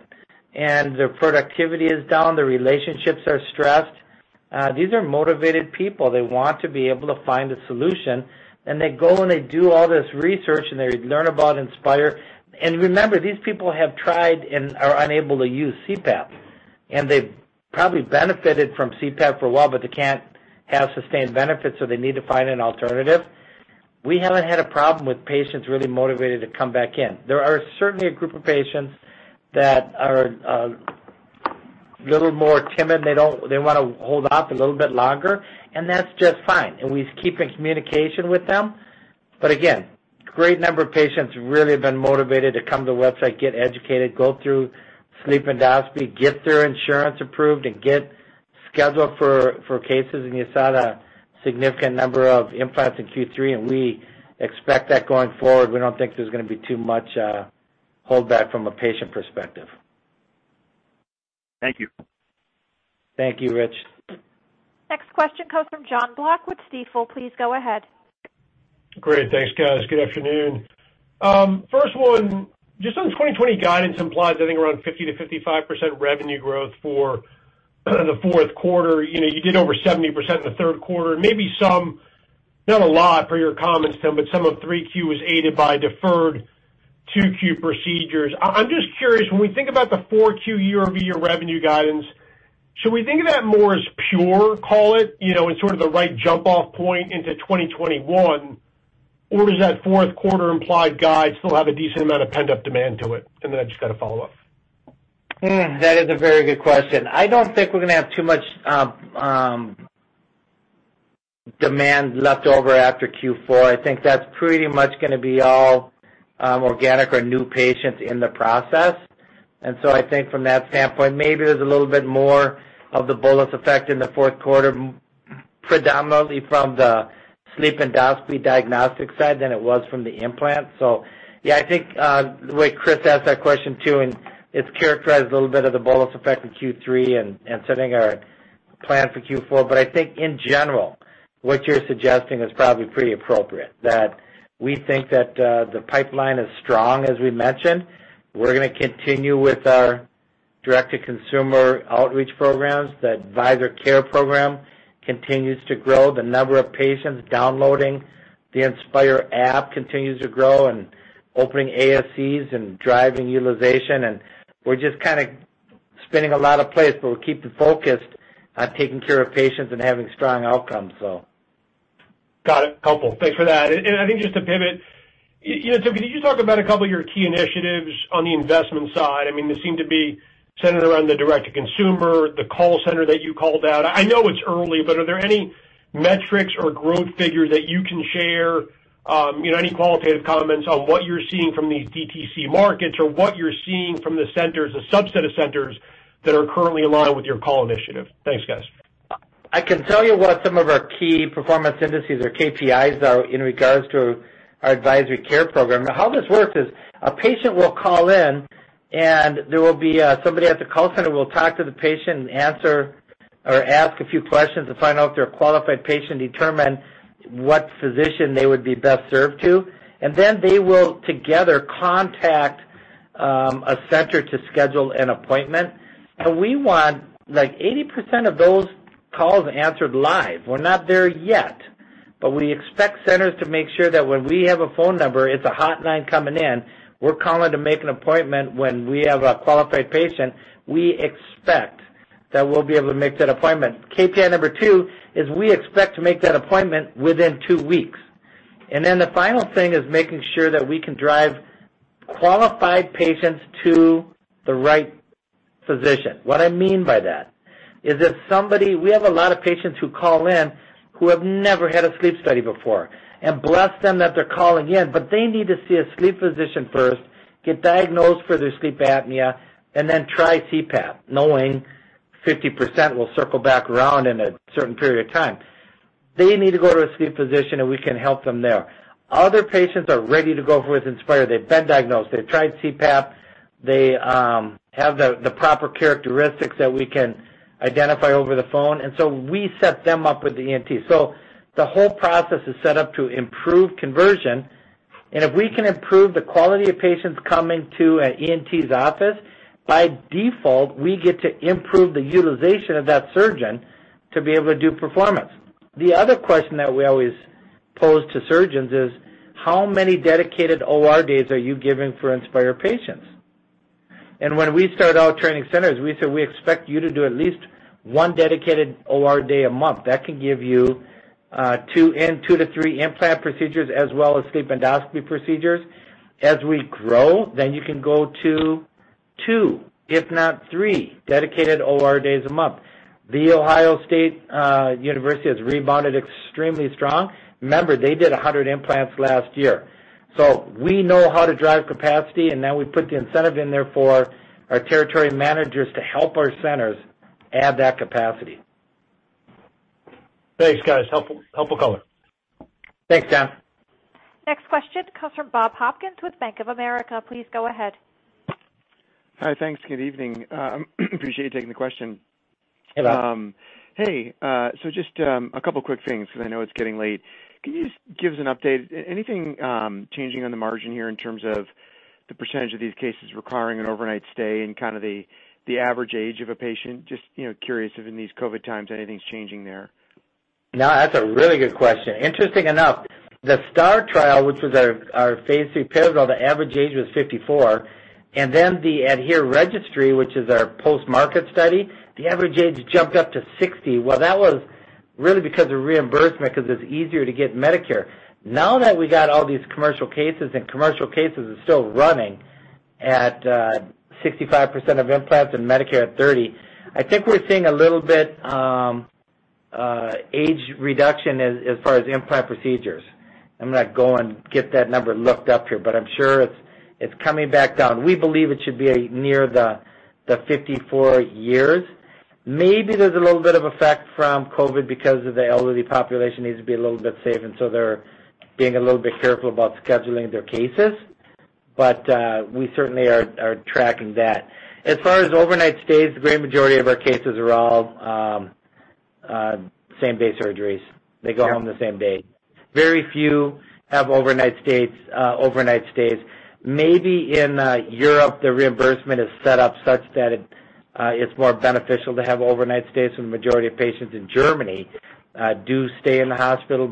Their productivity is down, their relationships are stressed. These are motivated people. They want to be able to find a solution. They go and they do all this research. They learn about Inspire. Remember, these people have tried and are unable to use CPAP. They've probably benefited from CPAP for a while, but they can't have sustained benefits. They need to find an alternative. We haven't had a problem with patients really motivated to come back in. There are certainly a group of patients that are a little more timid, and they want to hold off a little bit longer, and that's just fine. We keep in communication with them. Again, great number of patients really have been motivated to come to the website, get educated, go through sleep endoscopy, get their insurance approved, and get scheduled for cases. You saw the significant number of implants in Q3, and we expect that going forward. We don't think there's going to be too much holdback from a patient perspective. Thank you. Thank you, Rich. Next question comes from Jonathan Block with Stifel. Please go ahead. Great. Thanks, guys. Good afternoon. First one, just on 2020 guidance implies, I think, around 50%-55% revenue growth for the fourth quarter. You did over 70% in the third quarter. Maybe some, not a lot per your comments, Tim, but some of 3Q was aided by deferred 2Q procedures. I'm just curious, when we think about the 4Q year-over-year revenue guidance, should we think of that more as pure, call it, in sort of the right jump-off point into 2021, or does that fourth quarter implied guide still have a decent amount of pent-up demand to it? I've just got a follow-up. That is a very good question. I don't think we're going to have too much demand left over after Q4. I think that's pretty much going to be all organic or new patients in the process. I think from that standpoint, maybe there's a little bit more of the bolus effect in the fourth quarter, predominantly from the sleep endoscopy diagnostic side than it was from the implant. Yeah, I think the way Chris asked that question, too, and it's characterized a little bit of the bolus effect in Q3 and setting our plan for Q4. I think in general, what you're suggesting is probably pretty appropriate, that we think that the pipeline is strong, as we mentioned. We're going to continue with our direct-to-consumer outreach programs. The Advisor Care Program continues to grow. The number of patients downloading the Inspire app continues to grow and opening ASCs and driving utilization. We're just kind of spinning a lot of plates, but we're keeping focused on taking care of patients and having strong outcomes. Got it. Helpful. Thanks for that. I think just to pivot, Tim, could you talk about a couple of your key initiatives on the investment side? They seem to be centered around the direct to consumer, the call center that you called out. I know it's early, but are there any metrics or growth figures that you can share, any qualitative comments on what you're seeing from these DTC markets or what you're seeing from the centers, the subset of centers that are currently aligned with your call initiative? Thanks, guys. I can tell you what some of our key performance indices or KPIs are in regards to our Advisor Care Program. How this works is a patient will call in and somebody at the call center will talk to the patient and ask a few questions to find out if they're a qualified patient, determine what physician they would be best served to. They will together contact a center to schedule an appointment. We want 80% of those calls answered live. We're not there yet. We expect centers to make sure that when we have a phone number, it's a hotline coming in. We're calling to make an appointment when we have a qualified patient. We expect that we'll be able to make that appointment. KPI number two is we expect to make that appointment within two weeks. The final thing is making sure that we can drive qualified patients to the right physician. What I mean by that is We have a lot of patients who call in who have never had a sleep study before. Bless them that they're calling in, but they need to see a sleep physician first, get diagnosed for their sleep apnea, and then try CPAP, knowing 50% will circle back around in a certain period of time. They need to go to a sleep physician, and we can help them there. Other patients are ready to go for with Inspire. They've been diagnosed. They've tried CPAP. They have the proper characteristics that we can identify over the phone. We set them up with the ENT. The whole process is set up to improve conversion. If we can improve the quality of patients coming to an ENT's office, by default, we get to improve the utilization of that surgeon to be able to do performance. The other question that we always pose to surgeons is, how many dedicated OR days are you giving for Inspire patients? When we start out training centers, we say we expect you to do at least one dedicated OR day a month. That can give you two to three implant procedures as well as sleep endoscopy procedures. As we grow, then you can go to two, if not three dedicated OR days a month. The Ohio State University has rebounded extremely strong. Remember, they did 100 implants last year. We know how to drive capacity, and now we put the incentive in there for our territory managers to help our centers add that capacity. Thanks, guys. Helpful color. Thanks, Jon. Next question comes from Bob Hopkins with Bank of America. Please go ahead. Hi. Thanks. Good evening. Appreciate you taking the question. Hey, Bob. Hey. Just a couple of quick things because I know it's getting late. Can you just give us an update? Anything changing on the margin here in terms of the percentage of these cases requiring an overnight stay and kind of the average age of a patient? Just curious if in these COVID times anything's changing there. No, that's a really good question. Interesting enough, the STAR trial, which was our phase III pivotal, the average age was 54. The ADHERE Registry, which is our post-market study, the average age jumped up to 60. That was really because of reimbursement because it's easier to get Medicare. Now that we got all these commercial cases and commercial cases are still running at 65% of implants and Medicare at 30, I think we're seeing a little bit age reduction as far as implant procedures. I'm going to go and get that number looked up here, but I'm sure it's coming back down. We believe it should be near the 54 years. Maybe there's a little bit of effect from COVID because of the elderly population needs to be a little bit safe, and so they're being a little bit careful about scheduling their cases. We certainly are tracking that. As far as overnight stays, the great majority of our cases are all same-day surgeries. They go home the same day. Very few have overnight stays. Maybe in Europe, the reimbursement is set up such that it's more beneficial to have overnight stays, so the majority of patients in Germany do stay in the hospital.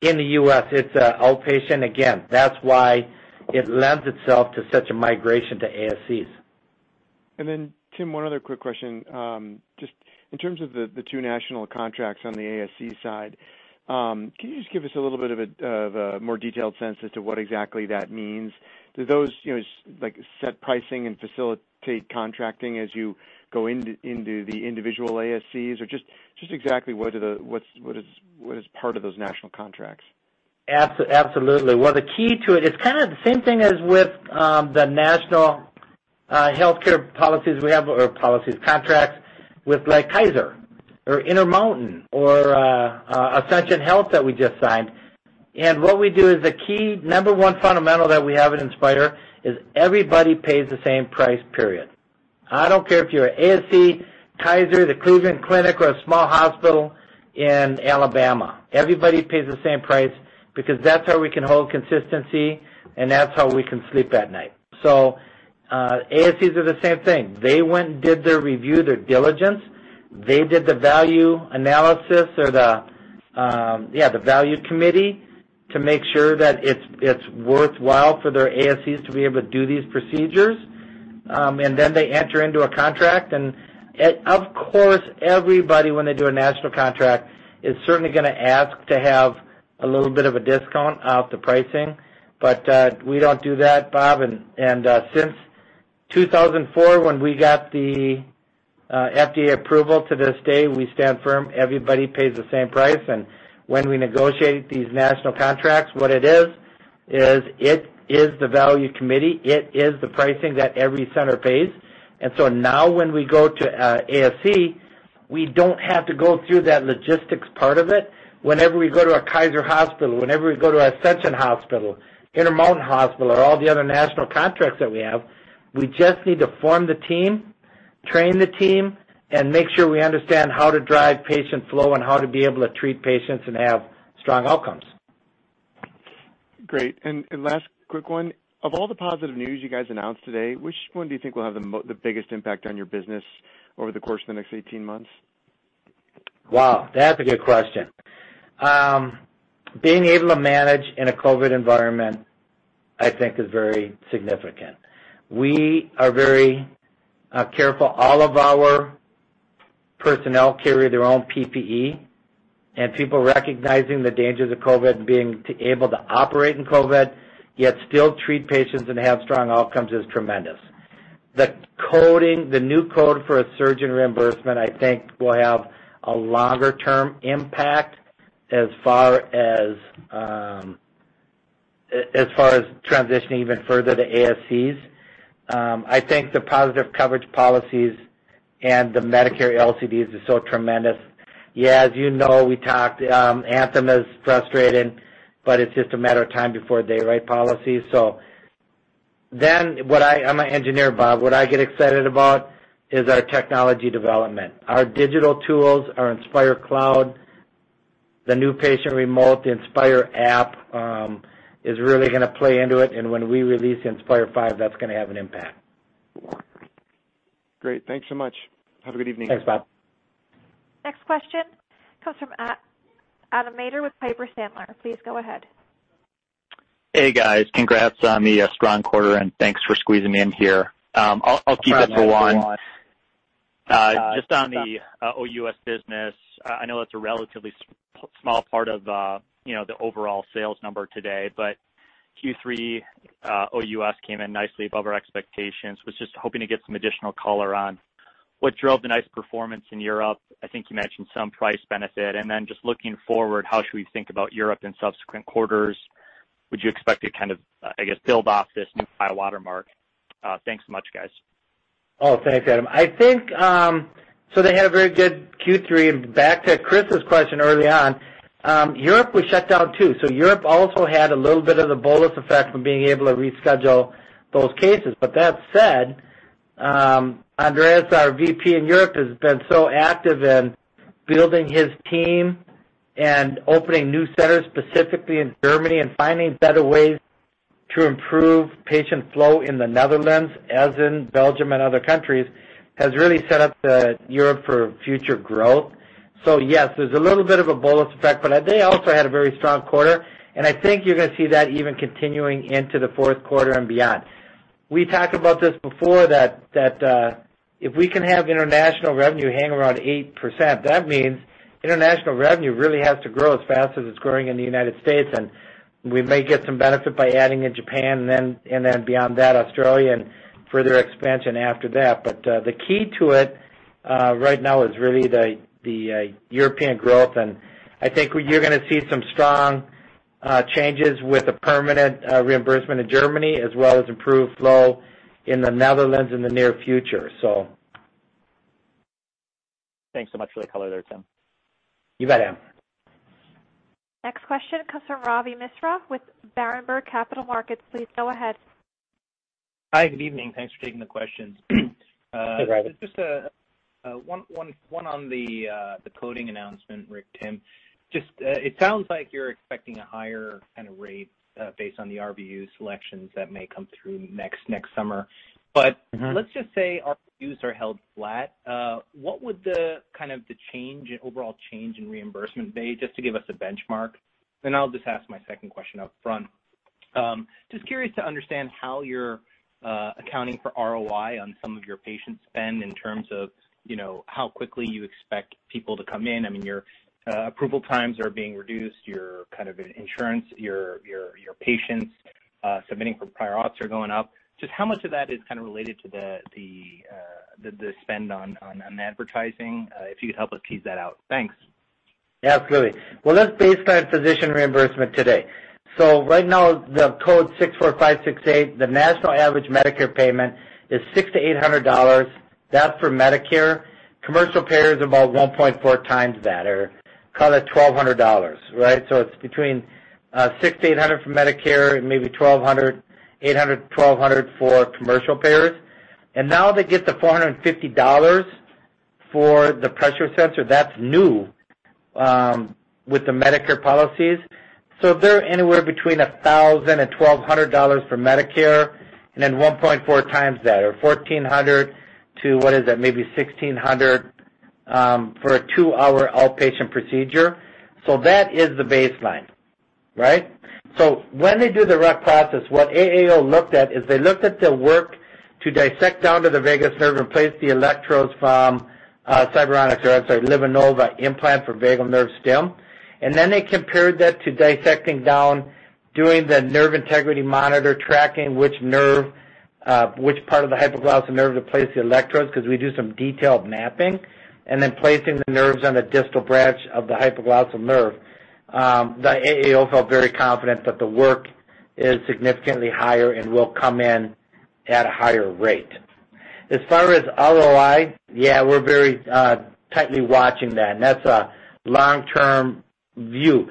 In the U.S., it's outpatient. Again, that's why it lends itself to such a migration to ASCs. Tim, one other quick question. Just in terms of the two national contracts on the ASC side, can you just give us a little bit of a more detailed sense as to what exactly that means? Do those set pricing and facilitate contracting as you go into the individual ASCs? Just exactly what is part of those national contracts? Absolutely. Well, the key to it's kind of the same thing as with the national healthcare policies we have, or contracts with Kaiser or Intermountain or Ascension Health that we just signed. What we do is the key number one fundamental that we have at Inspire is everybody pays the same price, period. I don't care if you're ASC, Kaiser, the Cleveland Clinic, or a small hospital in Alabama. Everybody pays the same price because that's how we can hold consistency and that's how we can sleep at night. ASCs are the same thing. They went and did their review, their diligence. They did the value analysis or the value committee to make sure that it's worthwhile for their ASCs to be able to do these procedures, and then they enter into a contract. Of course, everybody, when they do a national contract, is certainly going to ask to have a little bit of a discount off the pricing, but we don't do that, Bob. Since 2004, when we got the FDA approval, to this day, we stand firm. Everybody pays the same price. When we negotiate these national contracts, what it is it is the value committee. It is the pricing that every center pays. Now when we go to ASC, we don't have to go through that logistics part of it. Whenever we go to a Kaiser hospital, whenever we go to Ascension Hospital, Intermountain Hospital, or all the other national contracts that we have, we just need to form the team, train the team, and make sure we understand how to drive patient flow and how to be able to treat patients and have strong outcomes. Great. Last quick one. Of all the positive news you guys announced today, which one do you think will have the biggest impact on your business over the course of the next 18 months? Wow, that's a good question. Being able to manage in a COVID environment, I think is very significant. We are very careful. All of our personnel carry their own PPE, and people recognizing the dangers of COVID and being able to operate in COVID, yet still treat patients and have strong outcomes is tremendous. The new code for a surgeon reimbursement, I think will have a longer-term impact as far as transitioning even further to ASCs. I think the positive coverage policies and the Medicare LCDs is so tremendous. Yeah, as you know, we talked, Anthem is frustrated, but it's just a matter of time before they write policies. I'm an engineer, Bob. What I get excited about is our technology development. Our digital tools, our Inspire Cloud, the new patient remote Inspire app is really going to play into it. When we release Inspire V, that's going to have an impact. Great. Thanks so much. Have a good evening Thanks, Bob. Next question comes from Adam Maeder with Piper Sandler. Please go ahead. Hey, guys. Congrats on the strong quarter, and thanks for squeezing me in here. No problem, Adam. I'll keep it to one. Just on the OUS business, I know it's a relatively small part of the overall sales number today, but Q3 OUS came in nicely above our expectations. Was just hoping to get some additional color on what drove the nice performance in Europe. I think you mentioned some price benefit. Just looking forward, how should we think about Europe in subsequent quarters? Would you expect to kind of, I guess, build off this new high watermark? Thanks so much, guys. Oh, thanks, Adam Maeder. They had a very good Q3. Back to Chris's question early on, Europe was shut down too. Europe also had a little bit of the bolus effect from being able to reschedule those cases. That said, Andreas, our VP in Europe, has been so active in building his team and opening new centers, specifically in Germany, and finding better ways to improve patient flow in the Netherlands, as in Belgium and other countries, has really set up Europe for future growth. Yes, there's a little bit of a bolus effect, but they also had a very strong quarter, and I think you're going to see that even continuing into the fourth quarter and beyond. We talked about this before, that if we can have international revenue hang around 8%, that means international revenue really has to grow as fast as it's growing in the United States, and we may get some benefit by adding in Japan, and then beyond that, Australia, and further expansion after that. The key to it right now is really the European growth, and I think you're going to see some strong changes with the permanent reimbursement in Germany, as well as improved flow in the Netherlands in the near future. So Thanks so much for the color there, Tim. You bet, Adam. Next question comes from Ravi Misra with Berenberg Capital Markets. Please go ahead. Hi. Good evening. Thanks for taking the questions. Hey, Ravi. Just one on the coding announcement, Rick, Tim. It sounds like you're expecting a higher kind of rate based on the RVU selections that may come through next summer. Let's just say RVUs are held flat. What would the overall change in reimbursement be, just to give us a benchmark? I'll just ask my second question up front. Just curious to understand how you're accounting for ROI on some of your patient spend in terms of how quickly you expect people to come in. Your approval times are being reduced, your insurance, your patients submitting for prior auths are going up. Just how much of that is kind of related to the spend on advertising? If you could help us tease that out. Thanks. Absolutely. Well, that's based on physician reimbursement today. Right now, the code 64568, the national average Medicare payment is $600-$800. That's for Medicare. Commercial payer is about 1.4x that, or call it $1,200. Right? It's between $600-$800 for Medicare, maybe $800-$1,200 for commercial payers. They get the $450 for the pressure sensor. That's new with the Medicare policies. They're anywhere between $1,000 and $1,200 for Medicare, then 1.4x that, or $1,400-$1,600 for a two-hour outpatient procedure. That is the baseline. Right? When they do the RUC process, what AAO looked at is they looked at the work to dissect down to the vagus nerve and place the electrodes from Cyberonics or LivaNova implant for vagal nerve stim. Then they compared that to dissecting down, doing the nerve integrity monitor, tracking which part of the hypoglossal nerve to place the electrodes, because we do some detailed mapping, and then placing the nerves on the distal branch of the hypoglossal nerve. The AAO felt very confident that the work is significantly higher and will come in at a higher rate. As far as ROI, yeah, we're very tightly watching that, and that's a long-term view.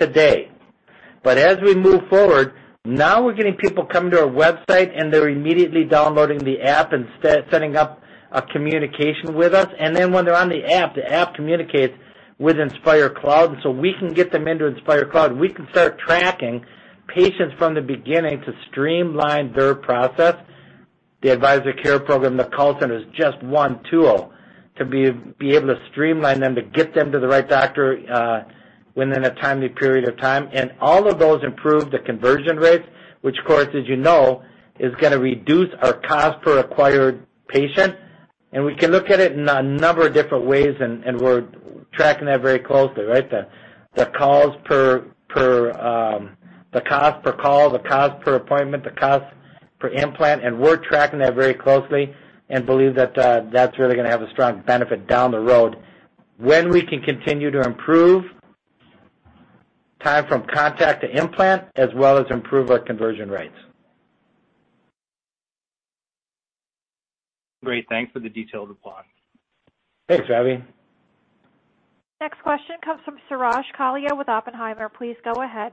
As we move forward, now we're getting people coming to our website, and they're immediately downloading the app and setting up a communication with us. Then when they're on the app, the app communicates with Inspire Cloud, so we can get them into Inspire Cloud. We can start tracking patients from the beginning to streamline their process. The Advisor Care Program, the call center, is just one tool to be able to streamline them, to get them to the right doctor within a timely period of time. All of those improve the conversion rates, which, of course, as you know, is going to reduce our cost per acquired patient. We can look at it in a number of different ways, and we're tracking that very closely. Right? The cost per call, the cost per appointment, the cost per implant, and we're tracking that very closely and believe that that's really going to have a strong benefit down the road when we can continue to improve time from contact to implant, as well as improve our conversion rates. Great. Thanks for the detailed reply. Thanks, Ravi. Next question comes from Suraj Kalia with Oppenheimer. Please go ahead.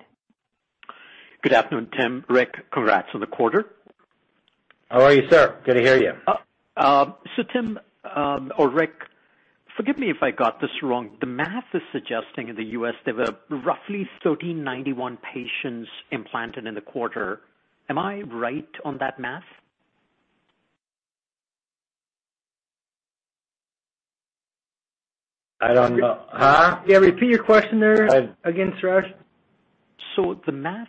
Good afternoon, Tim, Rick. Congrats on the quarter. How are you, sir? Good to hear you. Tim or Rick, forgive me if I got this wrong. The math is suggesting in the U.S. there were roughly 1,391 patients implanted in the quarter. Am I right on that math? I don't know. Huh? Yeah, repeat your question there again, Suraj. The math,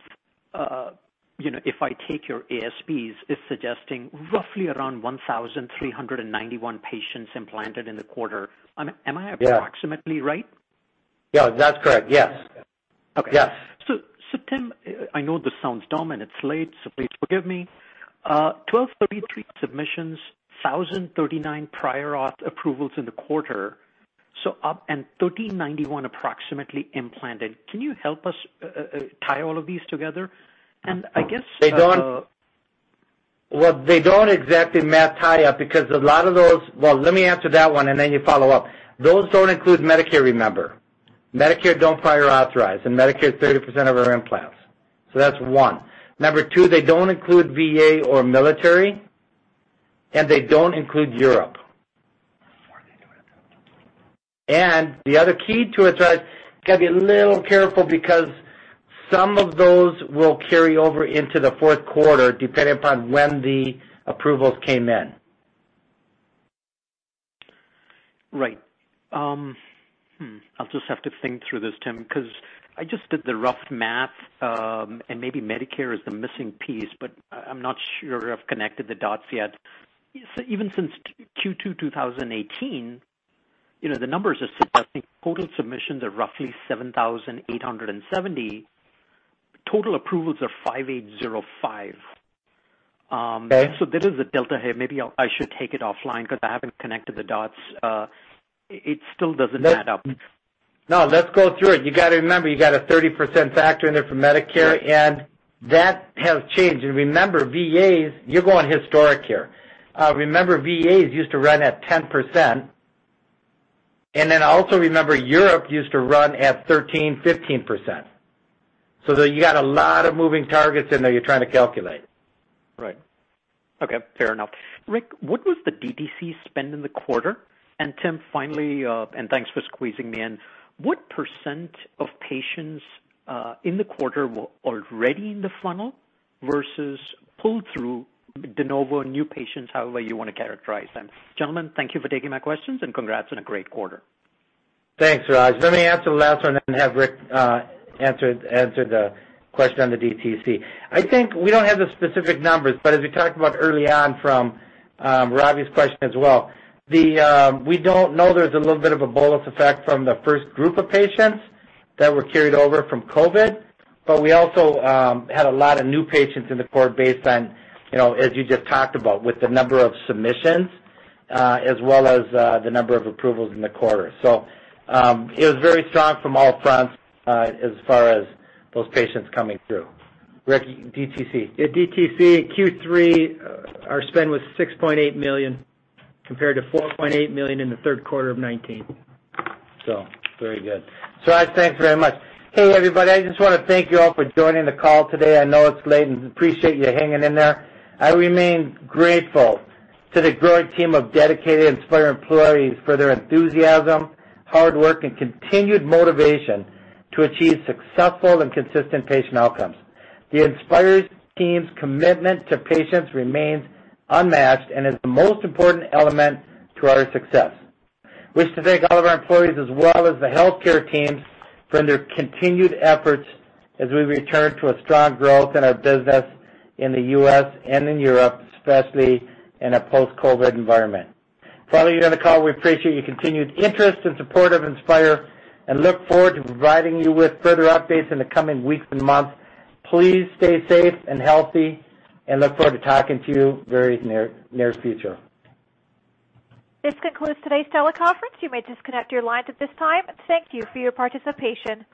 if I take your ASPs, is suggesting roughly around 1,391 patients implanted in the quarter. Am I approximately right? Yeah, that's correct. Yes. Okay. Yes. Tim, I know this sounds dumb, and it's late, so please forgive me. 1,233 submissions, 1,039 prior auth approvals in the quarter, and 1,391 approximately implanted. Can you help us tie all of these together? Well, they don't exactly math tie up because a lot of those. Let me answer that one, and then you follow up. Those don't include Medicare, remember. Medicare don't prior authorize. Medicare is 30% of our implants. That's one. Number two, they don't include VA or military. They don't include Europe. The other key to it, Suraj, got to be a little careful because some of those will carry over into the fourth quarter, depending upon when the approvals came in. Right. I'll just have to think through this, Tim, because I just did the rough math. Maybe Medicare is the missing piece, but I'm not sure I've connected the dots yet. Even since Q2 2018, the numbers are suggesting total submissions are roughly 7,870. Total approvals are 5,805. Okay. There is a delta here. Maybe I should take it offline because I haven't connected the dots. It still doesn't add up. No, let's go through it. You got to remember, you got a 30% factor in there for Medicare, that has changed. Remember, VAs, you're going historic here. Remember, VAs used to run at 10%. Then also remember, Europe used to run at 13%, 15%. You got a lot of moving targets in there you're trying to calculate. Right. Okay, fair enough. Rick, what was the DTC spend in the quarter? Tim, finally, and thanks for squeezing me in, what % of patients in the quarter were already in the funnel versus pulled through de novo new patients, however you want to characterize them? Gentlemen, thank you for taking my questions, and congrats on a great quarter. Thanks, Raj. Let me answer the last one and then have Rick answer the question on the DTC. I think we don't have the specific numbers, but as we talked about early on from Ravi's question as well, we don't know there's a little bit of a bolus effect from the first group of patients that were carried over from COVID, but we also had a lot of new patients in the quarter based on as you just talked about, with the number of submissions as well as the number of approvals in the quarter. It was very strong from all fronts as far as those patients coming through. Rick, DTC. Yeah, DTC, Q3, our spend was $6.8 million compared to $4.8 million in the third quarter of 2019. Very good. Raj, thanks very much. Hey, everybody, I just want to thank you all for joining the call today. I know it's late and appreciate you hanging in there. I remain grateful to the growing team of dedicated Inspire employees for their enthusiasm, hard work, and continued motivation to achieve successful and consistent patient outcomes. The Inspire team's commitment to patients remains unmatched and is the most important element to our success. We wish to thank all of our employees as well as the healthcare teams for their continued efforts as we return to a strong growth in our business in the U.S. and in Europe, especially in a post-COVID-19 environment. Finally, on the call, we appreciate your continued interest and support of Inspire, and look forward to providing you with further updates in the coming weeks and months. Please stay safe and healthy, and look forward to talking to you very near future. This concludes today's teleconference. You may disconnect your lines at this time. Thank you for your participation.